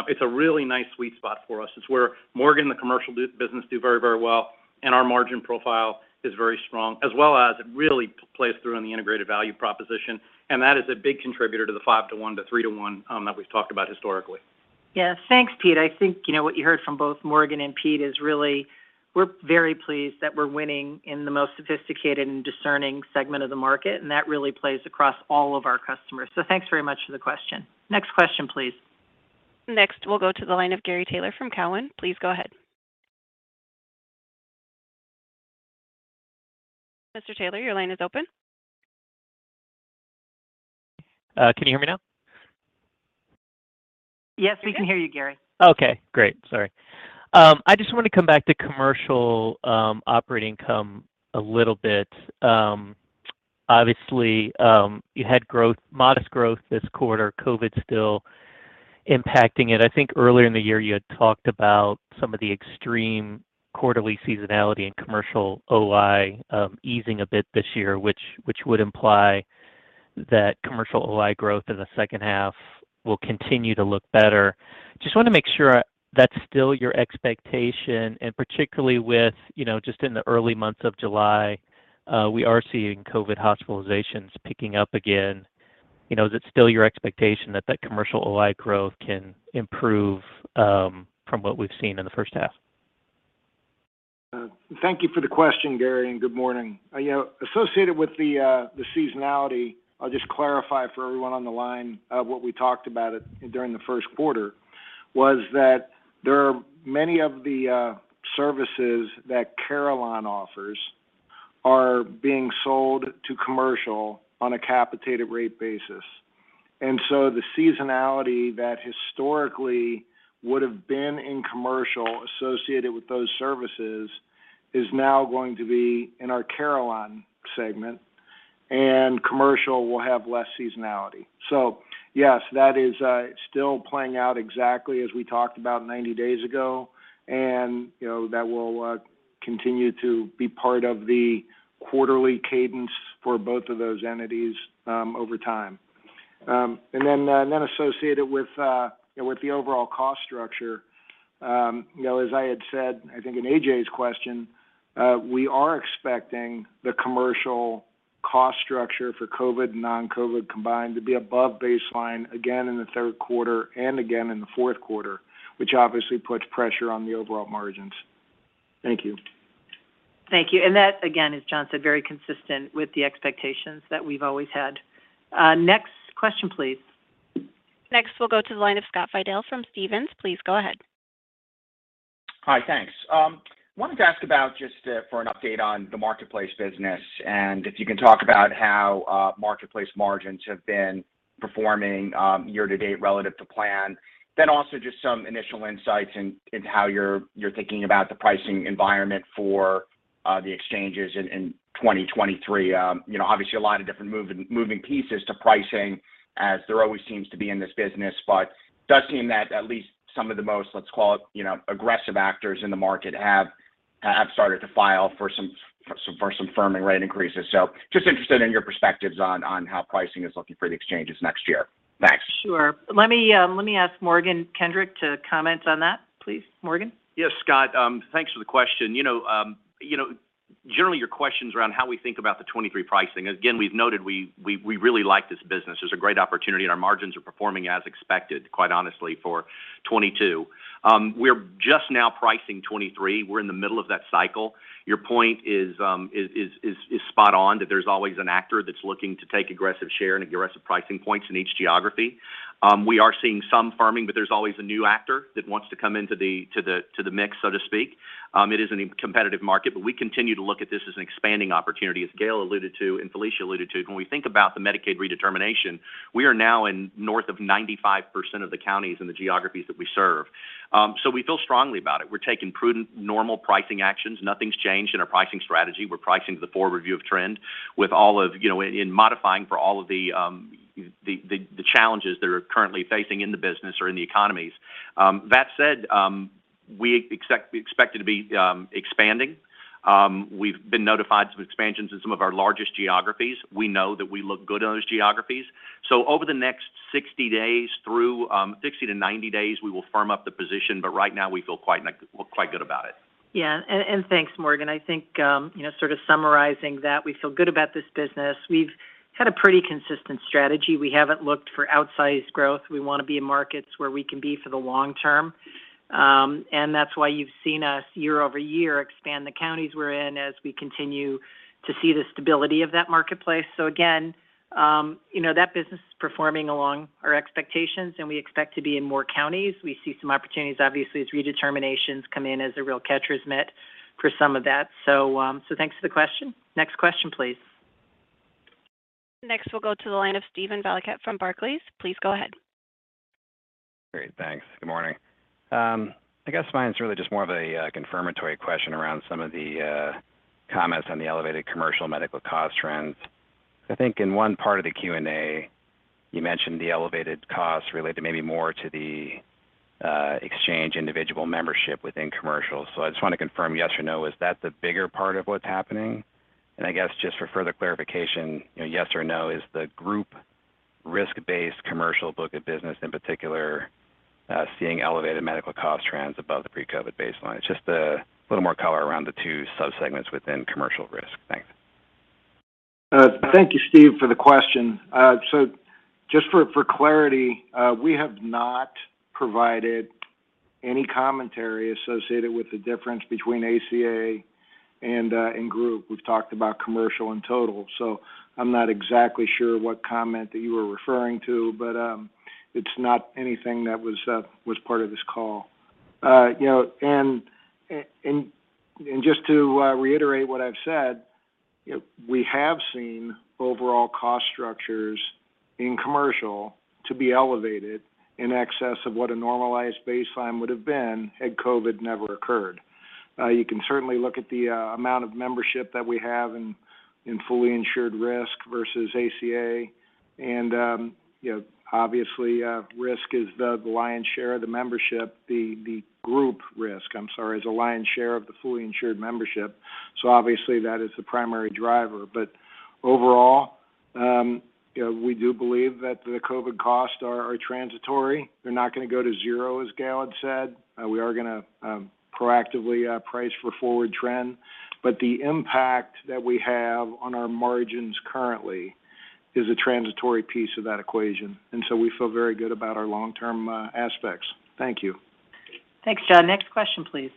H: It's a really nice sweet spot for us. It's where Morgan and the commercial business do very, very well, and our margin profile is very strong, as well as it really plays through in the integrated value proposition. That is a big contributor to the 5:1 to 3:1 that we've talked about historically.
C: Yes. Thanks, Pete. I think, you know, what you heard from both Morgan and Pete is really we're very pleased that we're winning in the most sophisticated and discerning segment of the market, and that really plays across all of our customers. Thanks very much for the question. Next question, please.
A: Next, we'll go to the line of Gary Taylor from Cowen. Please go ahead. Mr. Taylor, your line is open.
N: Can you hear me now?
C: Yes, we can hear you, Gary.
N: Okay, great. Sorry. I just want to come back to commercial operating income a little bit. Obviously, you had growth, modest growth this quarter, COVID still impacting it. I think earlier in the year, you had talked about some of the extreme quarterly seasonality and commercial OI, easing a bit this year, which would imply that commercial OI growth in the second half will continue to look better. Just wanna make sure that's still your expectation. Particularly with, you know, just in the early months of July, we are seeing COVID hospitalizations picking up again. You know, is it still your expectation that commercial OI growth can improve, from what we've seen in the first half?
D: Thank you for the question, Gary, and good morning. You know, associated with the seasonality, I'll just clarify for everyone on the line what we talked about during the first quarter was that there are many of the services that Carelon offers are being sold to commercial on a capitated rate basis. The seasonality that historically would have been in commercial associated with those services is now going to be in our Carelon segment, and commercial will have less seasonality. Yes, that is still playing out exactly as we talked about 90 days ago. You know, that will continue to be part of the quarterly cadence for both of those entities over time. Associated with the overall cost structure, you know, as I had said, I think in A.J.'s question, we are expecting the commercial cost structure for COVID and non-COVID combined to be above baseline again in the third quarter and again in the fourth quarter, which obviously puts pressure on the overall margins. Thank you.
C: Thank you. That, again, as John said, very consistent with the expectations that we've always had. Next question, please.
A: Next, we'll go to the line of Scott Fidel from Stephens. Please go ahead.
O: Hi. Thanks. Wanted to ask about just for an update on the marketplace business, and if you can talk about how marketplace margins have been performing year to date relative to plan. Then also just some initial insights in how you're thinking about the pricing environment for the exchanges in 2023. You know, obviously a lot of different moving pieces to pricing as there always seems to be in this business. But it does seem that at least some of the most, let's call it, you know, aggressive actors in the market have started to file for some firming rate increases. So just interested in your perspectives on how pricing is looking for the exchanges next year. Thanks.
C: Sure. Let me ask Morgan Kendrick to comment on that, please. Morgan?
M: Yes, Scott. Thanks for the question. You know, generally your question's around how we think about the 2023 pricing. Again, we've noted we really like this business. There's a great opportunity, and our margins are performing as expected, quite honestly, for 2022. We're just now pricing 2023. We're in the middle of that cycle. Your point is spot on that there's always an actor that's looking to take aggressive share and aggressive pricing points in each geography. We are seeing some firming, but there's always a new actor that wants to come into the mix, so to speak. It is a competitive market, but we continue to look at this as an expanding opportunity, as Gail alluded to and Felicia alluded to. When we think about the Medicaid redetermination, we are now in north of 95% of the counties in the geographies that we serve. We feel strongly about it. We're taking prudent, normal pricing actions. Nothing's changed in our pricing strategy. We're pricing to the forward view of trend with all of and modifying for all of the challenges that are currently facing the business or the economies. That said, We expect it to be expanding. We've been notified some expansions in some of our largest geographies. We know that we look good on those geographies. Over the next 60 days through 60 to 90 days, we will firm up the position, but right now we feel quite good about it.
C: Yeah. Thanks, Morgan. I think, you know, sort of summarizing that we feel good about this business. We've had a pretty consistent strategy. We haven't looked for outsized growth. We wanna be in markets where we can be for the long term. That's why you've seen us year-over-year expand the counties we're in as we continue to see the stability of that marketplace. Again, you know, that business is performing along our expectations, and we expect to be in more counties. We see some opportunities obviously as redeterminations come in as a real catcher's mitt for some of that. Thanks for the question. Next question, please.
A: Next, we'll go to the line of Steven Valiquette from Barclays. Please go ahead.
P: Great. Thanks. Good morning. I guess mine's really just more of a confirmatory question around some of the comments on the elevated commercial medical cost trends. I think in one part of the Q&A, you mentioned the elevated costs related maybe more to the exchange individual membership within Commercial. I just wanna confirm yes or no, is that the bigger part of what's happening? I guess just for further clarification, you know, yes or no, is the group risk-based Commercial book of business in particular seeing elevated medical cost trends above the pre-COVID baseline? Just a little more color around the two sub-segments within commercial risk. Thanks.
D: Thank you, Steve, for the question. Just for clarity, we have not provided any commentary associated with the difference between ACA and group. We've talked about Commercial in total, so I'm not exactly sure what comment that you were referring to, but it's not anything that was part of this call. You know, just to reiterate what I've said, you know, we have seen overall cost structures in Commercial to be elevated in excess of what a normalized baseline would've been had COVID never occurred. You can certainly look at the amount of membership that we have in fully insured risk versus ACA. You know, obviously, risk is the lion's share of the membership. The group risk, I'm sorry, is the lion's share of the fully insured membership, so obviously that is the primary driver. Overall, you know, we do believe that the COVID costs are transitory. They're not gonna go to zero, as Gail said. We are gonna proactively price for forward trend. The impact that we have on our margins currently is a transitory piece of that equation, and so we feel very good about our long-term aspects. Thank you.
C: Thanks, John. Next question, please.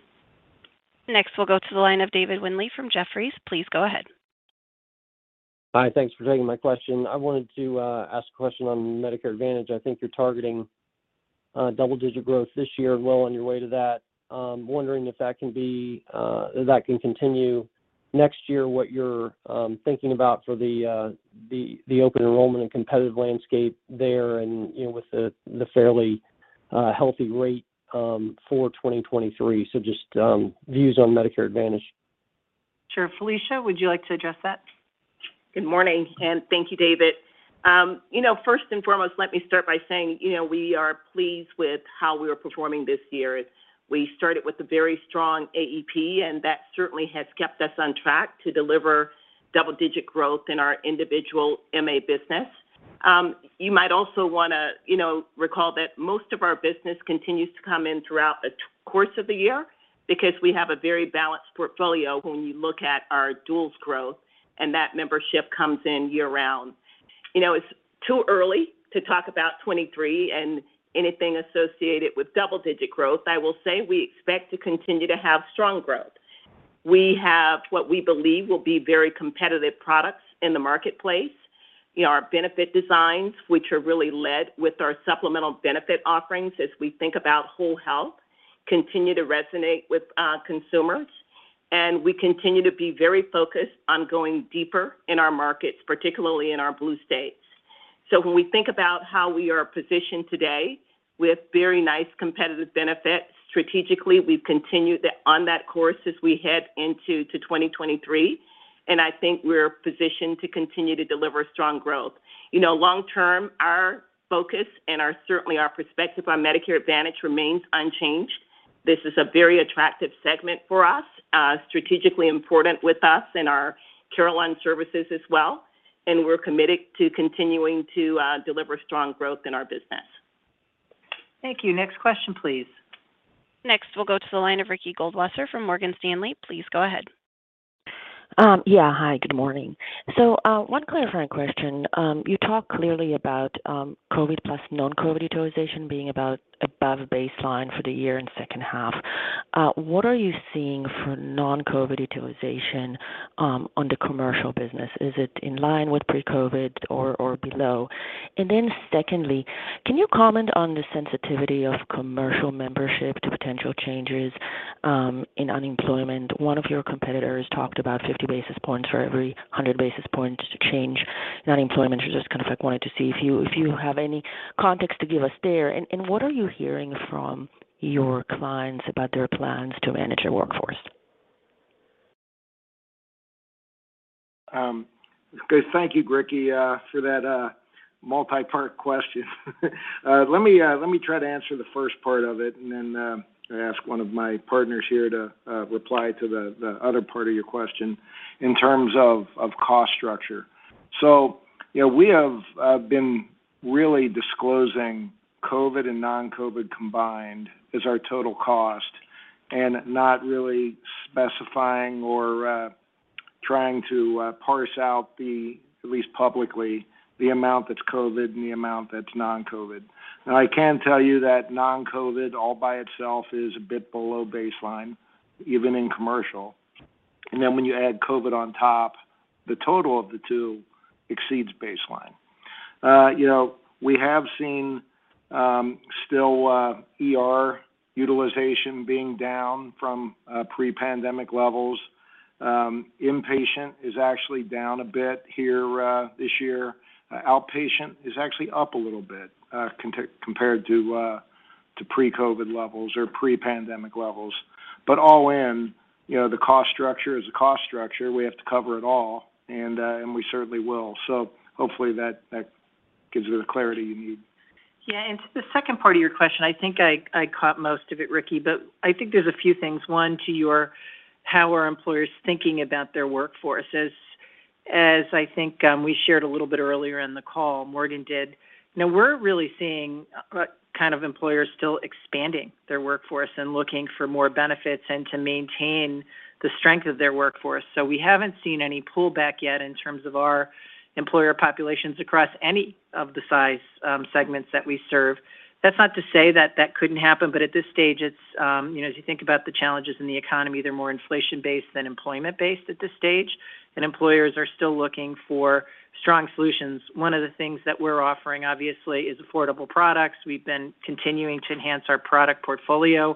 A: Next, we'll go to the line of Dave Windley from Jefferies. Please go ahead.
Q: Hi. Thanks for taking my question. I wanted to ask a question on Medicare Advantage. I think you're targeting double-digit growth this year, well on your way to that. I'm wondering if that can continue next year, what you're thinking about for the open enrollment and competitive landscape there and, you know, with the fairly healthy rate for 2023? Just views on Medicare Advantage.
C: Sure. Felicia, would you like to address that?
J: Good morning, and thank you, David. You know, first and foremost, let me start by saying, you know, we are pleased with how we are performing this year. We started with a very strong AEP, and that certainly has kept us on track to deliver double-digit growth in our individual MA business. You might also wanna, you know, recall that most of our business continues to come in throughout the course of the year because we have a very balanced portfolio when you look at our duals growth, and that membership comes in year-round. You know, it's too early to talk about 2023 and anything associated with double-digit growth. I will say we expect to continue to have strong growth. We have what we believe will be very competitive products in the marketplace. You know, our benefit designs, which are really led with our supplemental benefit offerings as we think about whole health, continue to resonate with consumers, and we continue to be very focused on going deeper in our markets, particularly in our Blue states. When we think about how we are positioned today with very nice competitive benefits, strategically we've continued on that course as we head into 2023, and I think we're positioned to continue to deliver strong growth. You know, long term, our focus and certainly our perspective on Medicare Advantage remains unchanged. This is a very attractive segment for us, strategically important with us in our Carelon services as well, and we're committed to continuing to deliver strong growth in our business.
C: Thank you. Next question, please.
A: Next, we'll go to the line of Ricky Goldwasser from Morgan Stanley. Please go ahead.
R: Yeah. Hi, good morning. One clarifying question. You talk clearly about COVID plus non-COVID utilization being about above baseline for the year and second half. What are you seeing for non-COVID utilization on the Commercial business? Is it in line with pre-COVID or below? And then secondly, can you comment on the sensitivity of commercial membership to potential changes in unemployment? One of your competitors talked about 50 basis points for every 100 basis points change in unemployment. Just kind of like wanted to see if you have any context to give us there. And what are you hearing from your clients about their plans to manage their workforce?
D: Okay. Thank you, Ricky, for that multi-part question. Let me try to answer the first part of it, and then I'll ask one of my partners here to reply to the other part of your question in terms of cost structure. You know, we have been really disclosing COVID and non-COVID combined as our total cost and not really specifying or trying to parse out, at least publicly, the amount that's COVID and the amount that's non-COVID. Now, I can tell you that non-COVID all by itself is a bit below baseline, even in Commercial. Then when you add COVID on top, the total of the two exceeds baseline. You know, we have seen still ER utilization being down from pre-pandemic levels. Inpatient is actually down a bit here this year. Outpatient is actually up a little bit compared to pre-COVID levels or pre-pandemic levels. All in, you know, the cost structure is a cost structure. We have to cover it all, and we certainly will. Hopefully that gives you the clarity you need.
C: Yeah. To the second part of your question, I think I caught most of it, Ricky, but I think there's a few things. One, to your how are employers thinking about their workforce. I think we shared a little bit earlier in the call, Morgan did, you know, we're really seeing a kind of employers still expanding their workforce and looking for more benefits and to maintain the strength of their workforce. We haven't seen any pullback yet in terms of our employer populations across any of the size segments that we serve. That's not to say that couldn't happen, but at this stage it's, you know, as you think about the challenges in the economy, they're more inflation-based than employment-based at this stage, and employers are still looking for strong solutions. One of the things that we're offering, obviously, is affordable products. We've been continuing to enhance our product portfolio.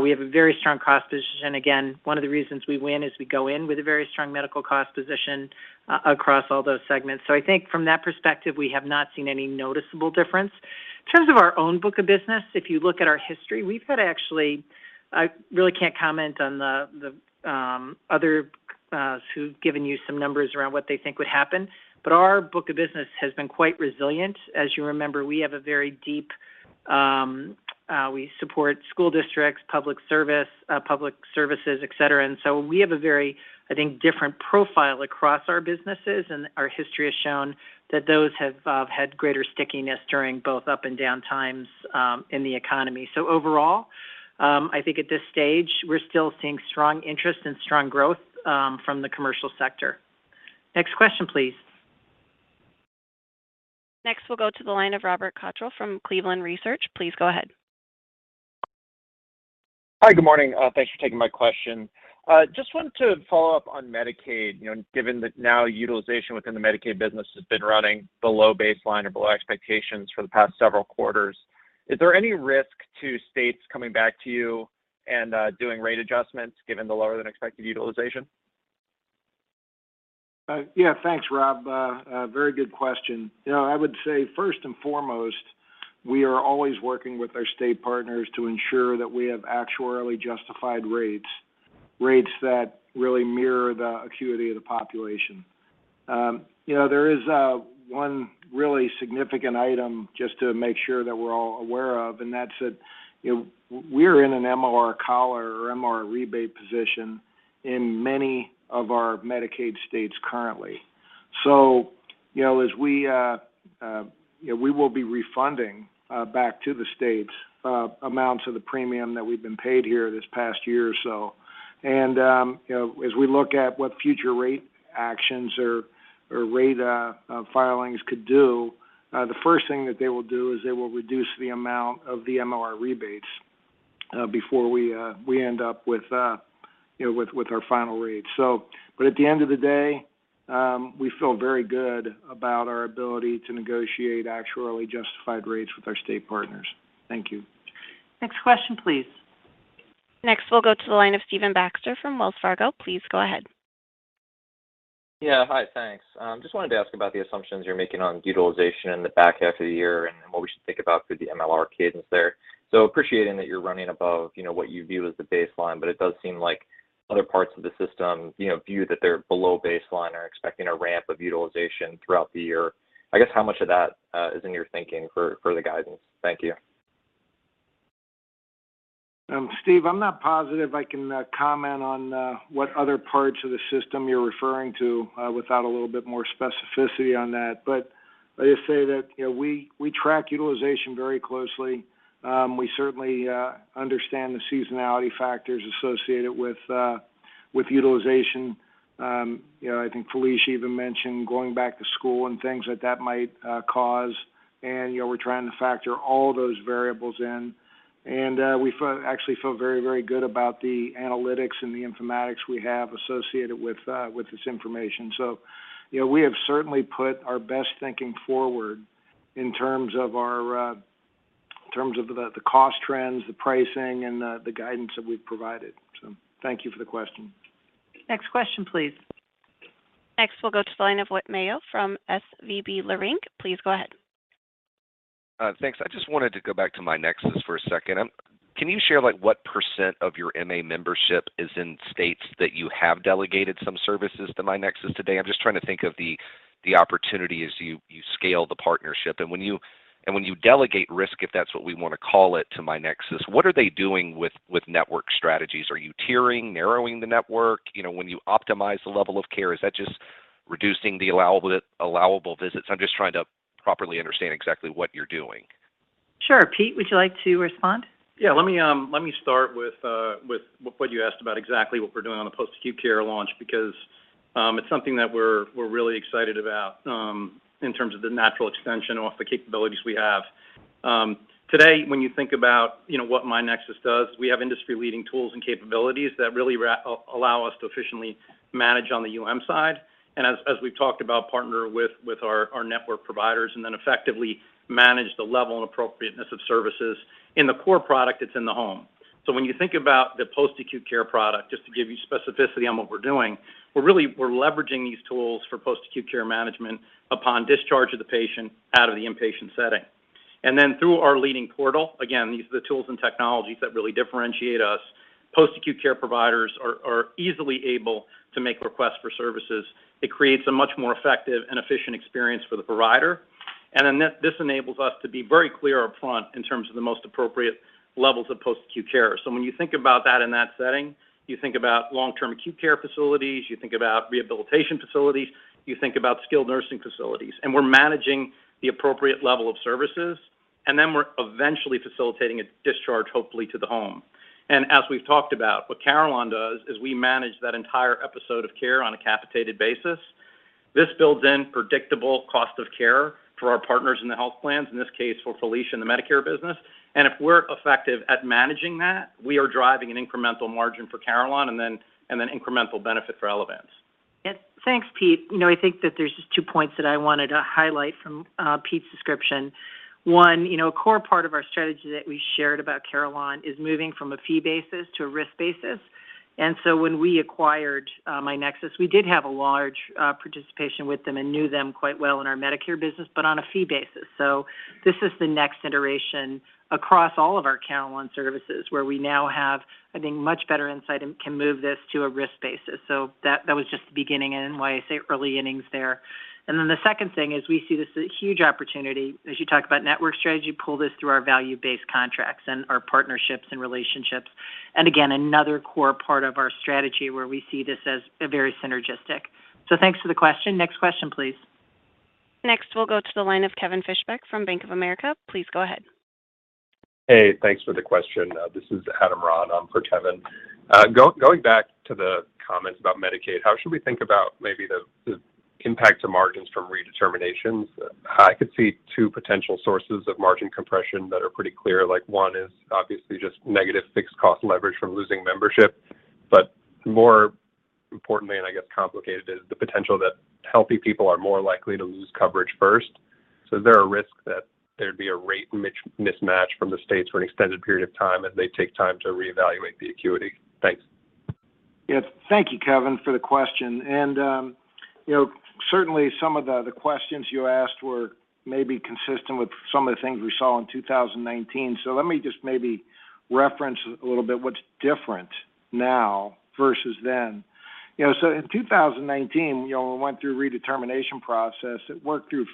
C: We have a very strong cost position. Again, one of the reasons we win is we go in with a very strong medical cost position across all those segments. I think from that perspective, we have not seen any noticeable difference. In terms of our own book of business, if you look at our history, we've had actually I really can't comment on the others who've given you some numbers around what they think would happen. Our book of business has been quite resilient. As you remember, we support school districts, public services, et cetera. We have a very, I think, different profile across our businesses, and our history has shown that those have had greater stickiness during both up and down times in the economy. Overall, I think at this stage we're still seeing strong interest and strong growth from the commercial sector. Next question, please.
A: Next, we'll go to the line of Rob Cottrell from Cleveland Research. Please go ahead.
S: Hi. Good morning. Thanks for taking my question. Just wanted to follow up on Medicaid. You know, given that now utilization within the Medicaid business has been running below baseline or below expectations for the past several quarters, is there any risk to states coming back to you and doing rate adjustments given the lower than expected utilization?
D: Yeah. Thanks, Rob. A very good question. You know, I would say first and foremost, we are always working with our state partners to ensure that we have actuarially justified rates that really mirror the acuity of the population. You know, there is one really significant item just to make sure that we're all aware of, and that's that, you know, we're in an MLR collar or MLR rebate position in many of our Medicaid states currently. You know, as we, you know, we will be refunding back to the states amounts of the premium that we've been paid here this past year or so. you know, as we look at what future rate actions or rate filings could do, the first thing that they will do is they will reduce the amount of the MLR rebates before we end up with you know with our final rates. But at the end of the day, we feel very good about our ability to negotiate actuarially justified rates with our state partners. Thank you.
C: Next question, please.
A: Next, we'll go to the line of Stephen Baxter from Wells Fargo. Please go ahead.
T: Yeah. Hi. Thanks. Just wanted to ask about the assumptions you're making on utilization in the back half of the year, and what we should think about for the MLR cadence there. Appreciating that you're running above, you know, what you view as the baseline, but it does seem like other parts of the system, you know, view that they're below baseline, are expecting a ramp of utilization throughout the year. I guess how much of that is in your thinking for the guidance? Thank you.
D: Steve, I'm not positive I can comment on what other parts of the system you're referring to without a little bit more specificity on that. I just say that, you know, we track utilization very closely. We certainly understand the seasonality factors associated with utilization. You know, I think Felicia even mentioned going back to school and things that might cause. You know, we're trying to factor all those variables in. We actually feel very, very good about the analytics and the informatics we have associated with this information. You know, we have certainly put our best thinking forward in terms of the cost trends, the pricing, and the guidance that we've provided. Thank you for the question.
C: Next question, please.
A: Next, we'll go to the line of Whit Mayo from SVB Leerink. Please go ahead.
U: Thanks. I just wanted to go back to myNEXUS for a second. Can you share like what percent of your MA membership is in states that you have delegated some services to myNEXUS today? I'm just trying to think of the opportunity as you scale the partnership. When you delegate risk, if that's what we wanna call it, to myNEXUS, what are they doing with network strategies? Are you tiering, narrowing the network? You know, when you optimize the level of care, is that just reducing the allowable visits? I'm just trying to properly understand exactly what you're doing.
C: Sure. Pete, would you like to respond?
H: Yeah. Let me start with what you asked about exactly what we're doing on the post-acute care launch because it's something that we're really excited about in terms of the natural extension of the capabilities we have. Today, when you think about, you know, what myNEXUS does, we have industry-leading tools and capabilities that really allow us to efficiently manage on the UM side. As we've talked about, partner with our network providers, and then effectively manage the level and appropriateness of services in the core product that's in the home. When you think about the post-acute care product, just to give you specificity on what we're doing, we're really leveraging these tools for post-acute care management upon discharge of the patient out of the inpatient setting. Through our leading portal, again, these are the tools and technologies that really differentiate us, post-acute care providers are easily able to make requests for services. It creates a much more effective and efficient experience for the provider. This enables us to be very clear upfront in terms of the most appropriate levels of post-acute care. When you think about that in that setting, you think about long-term acute care facilities, you think about rehabilitation facilities, you think about skilled nursing facilities, and we're managing the appropriate level of services. We're eventually facilitating a discharge, hopefully to the home. As we've talked about, what Carelon does is we manage that entire episode of care on a capitated basis. This builds in predictable cost of care for our partners in the health plans, in this case, for Felicia in the Medicare business. If we're effective at managing that, we are driving an incremental margin for Carelon and then incremental benefit for Elevance.
C: Yes. Thanks, Pete. You know, I think that there's just two points that I wanted to highlight from Pete's description. One, you know, a core part of our strategy that we shared about Carelon is moving from a fee basis to a risk basis. When we acquired myNEXUS, we did have a large participation with them and knew them quite well in our Medicare business, but on a fee basis. This is the next iteration across all of our Carelon services, where we now have, I think, much better insight and can move this to a risk basis. That was just the beginning and why I say early innings there. The second thing is we see this as a huge opportunity as you talk about network strategy, pull this through our value-based contracts and our partnerships and relationships. Again, another core part of our strategy where we see this as very synergistic. Thanks for the question. Next question, please.
A: Next, we'll go to the line of Kevin Fischbeck from Bank of America. Please go ahead.
V: Hey, thanks for the question. This is Adam Ron for Kevin. Going back to the comments about Medicaid, how should we think about maybe the impact to margins from redeterminations? I could see two potential sources of margin compression that are pretty clear. Like, one is obviously just negative fixed cost leverage from losing membership. But more importantly, and I guess complicated, is the potential that healthy people are more likely to lose coverage first. So is there a risk that there'd be a rate mismatch from the states for an extended period of time as they take time to reevaluate the acuity? Thanks.
D: Yes. Thank you, Adam, for the question. Certainly some of the questions you asked were maybe consistent with some of the things we saw in 2019. Let me just maybe reference a little bit what's different now versus then. In 2019, when we went through redetermination process, it worked through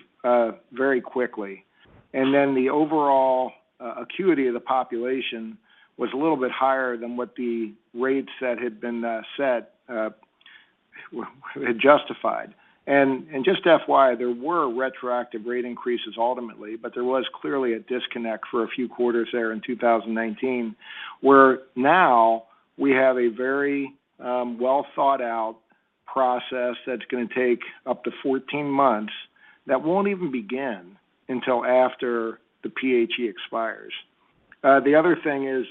D: very quickly. Then the overall acuity of the population was a little bit higher than what the rates that had been set had justified. Just to FYI, there were retroactive rate increases ultimately, but there was clearly a disconnect for a few quarters there in 2019, where now we have a very well thought out process that's gonna take up to 14 months that won't even begin until after the PHE expires. The other thing is,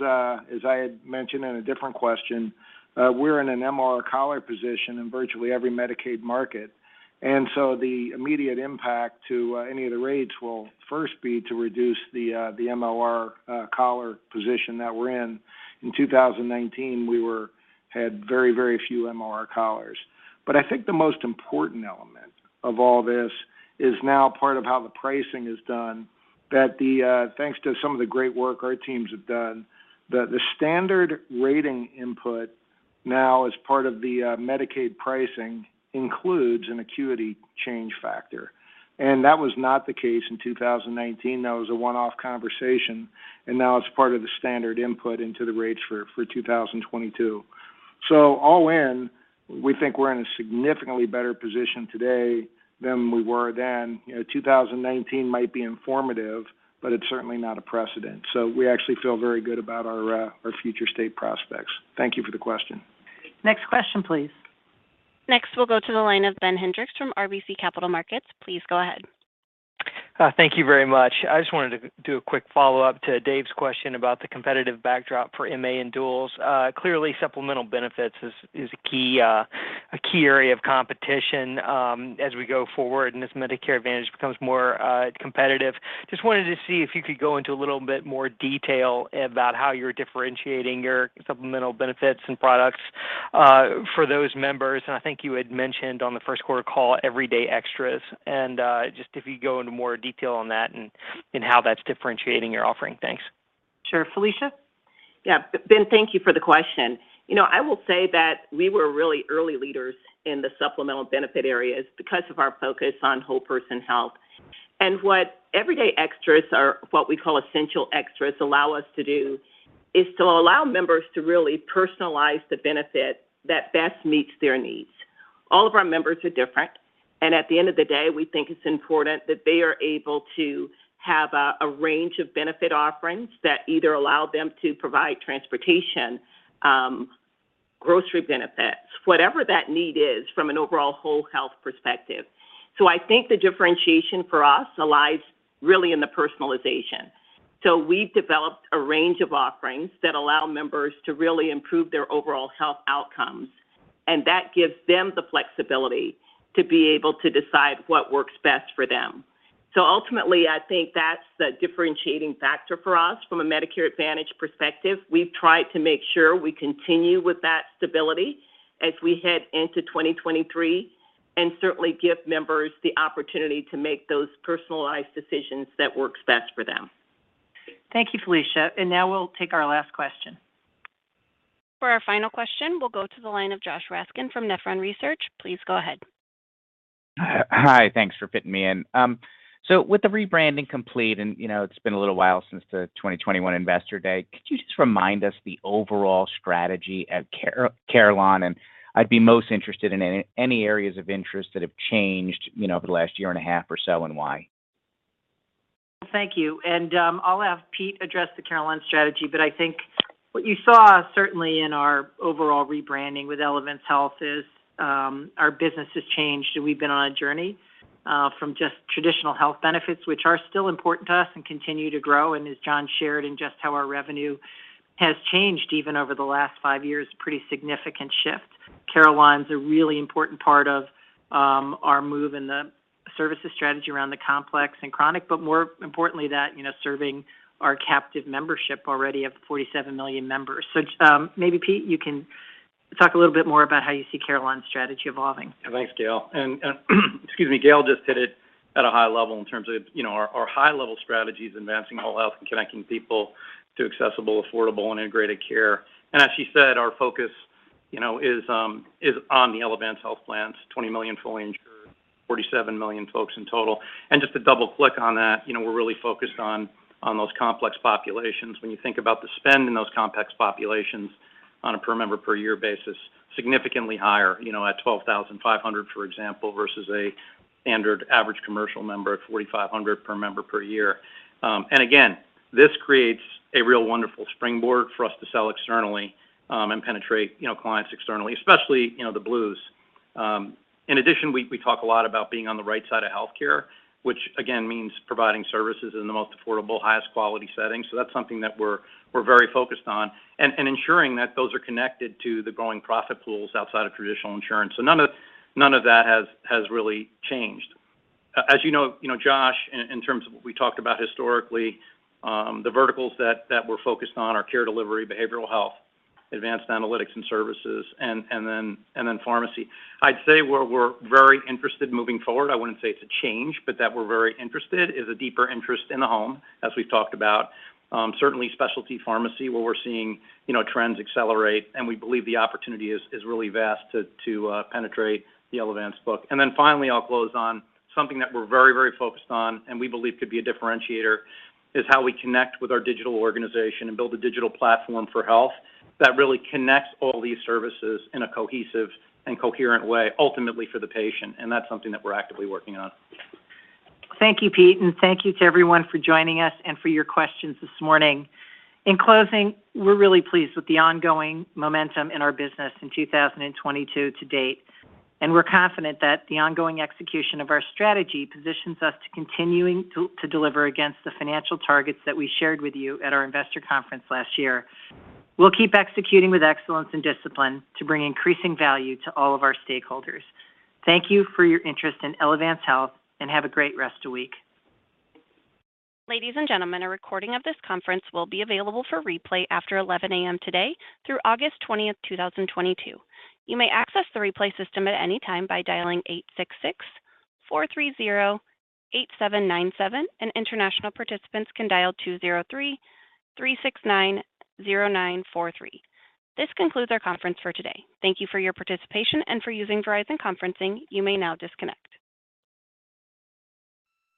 D: as I had mentioned in a different question, we're in an MLR collar position in virtually every Medicaid market. The immediate impact to any of the rates will first be to reduce the MLR collar position that we're in. In 2019, we had very few MLR collars. I think the most important element of all this is now part of how the pricing is done, that thanks to some of the great work our teams have done, the standard rating input now as part of the Medicaid pricing includes an acuity change factor. That was not the case in 2019. That was a one-off conversation, and now it's part of the standard input into the rates for 2022. All in, we think we're in a significantly better position today than we were then. You know, 2019 might be informative, but it's certainly not a precedent. We actually feel very good about our future state prospects. Thank you for the question.
C: Next question, please.
A: Next, we'll go to the line of Ben Hendrix from RBC Capital Markets. Please go ahead.
W: Thank you very much. I just wanted to do a quick follow-up to Dave's question about the competitive backdrop for MA and duals. Clearly, supplemental benefits is a key area of competition, as we go forward and as Medicare Advantage becomes more competitive. Just wanted to see if you could go into a little bit more detail about how you're differentiating your supplemental benefits and products. For those members, and I think you had mentioned on the first quarter call Essential Extras, and just if you go into more detail on that and how that's differentiating your offering. Thanks.
C: Sure. Felicia?
J: Yeah. Ben, thank you for the question. You know, I will say that we were really early leaders in the supplemental benefit areas because of our focus on whole person health. What Essential Extras or what we call Essential Extras allow us to do is to allow members to really personalize the benefit that best meets their needs. All of our members are different, and at the end of the day, we think it's important that they are able to have a range of benefit offerings that either allow them to provide transportation, grocery benefits, whatever that need is from an overall whole health perspective. I think the differentiation for us lies really in the personalization. We've developed a range of offerings that allow members to really improve their overall health outcomes, and that gives them the flexibility to be able to decide what works best for them. Ultimately, I think that's the differentiating factor for us from a Medicare Advantage perspective. We've tried to make sure we continue with that stability as we head into 2023, and certainly give members the opportunity to make those personalized decisions that works best for them.
C: Thank you, Felicia. Now we'll take our last question.
A: For our final question, we'll go to the line of Joshua Raskin from Nephron Research. Please go ahead.
X: Hi. Thanks for fitting me in. With the rebranding complete, and you know, it's been a little while since the 2021 Investor Day, could you just remind us the overall strategy at Carelon? I'd be most interested in any areas of interest that have changed, you know, over the last year and a half or so, and why.
C: Thank you. I'll have Pete address the Carelon strategy, but I think what you saw certainly in our overall rebranding with Elevance Health is our business has changed, and we've been on a journey from just traditional health benefits, which are still important to us and continue to grow, and as John shared, and just how our revenue has changed even over the last five years, pretty significant shift. Carelon's a really important part of our move in the services strategy around the complex and chronic, but more importantly that, you know, serving our captive membership already of 47 million members. Maybe, Pete, you can talk a little bit more about how you see Carelon's strategy evolving.
H: Yeah. Thanks, Gail. Excuse me, Gail just hit it at a high level in terms of, you know, our high-level strategy is advancing whole health and connecting people to accessible, affordable, and integrated care. As she said, our focus, you know, is on the Elevance Health plans, 20 million fully insured, 47 million folks in total. Just to double-click on that, you know, we're really focused on those complex populations. When you think about the spend in those complex populations on a per member per year basis, significantly higher, you know, at $12,500, for example, versus a standard average commercial member at $4,500 per member per year. Again, this creates a real wonderful springboard for us to sell externally and penetrate, you know, clients externally, especially, you know, the Blues. In addition, we talk a lot about being on the right side of healthcare, which again means providing services in the most affordable, highest quality setting, so that's something that we're very focused on. Ensuring that those are connected to the growing profit pools outside of traditional insurance. None of that has really changed. As you know, Josh, in terms of what we talked about historically, the verticals that we're focused on are care delivery, behavioral health, advanced analytics and services, and then pharmacy. I'd say where we're very interested moving forward, I wouldn't say it's a change, but that we're very interested is a deeper interest in the home, as we've talked about. Certainly specialty pharmacy where we're seeing, you know, trends accelerate, and we believe the opportunity is really vast to penetrate the Elevance book. Then finally, I'll close on something that we're very, very focused on and we believe could be a differentiator, is how we connect with our digital organization and build a digital platform for health that really connects all these services in a cohesive and coherent way, ultimately for the patient, and that's something that we're actively working on.
C: Thank you, Pete, and thank you to everyone for joining us and for your questions this morning. In closing, we're really pleased with the ongoing momentum in our business in 2022 to date, and we're confident that the ongoing execution of our strategy positions us to continue to deliver against the financial targets that we shared with you at our investor conference last year. We'll keep executing with excellence and discipline to bring increasing value to all of our stakeholders. Thank you for your interest in Elevance Health, and have a great rest of the week.
A: Ladies and gentlemen, a recording of this conference will be available for replay after 11 A.M. today through August 20th, 2022. You may access the replay system at any time by dialing 866-430-8797, and international participants can dial 203-369-0943. This concludes our conference for today. Thank you for your participation and for using Verizon Conferencing. You may now disconnect.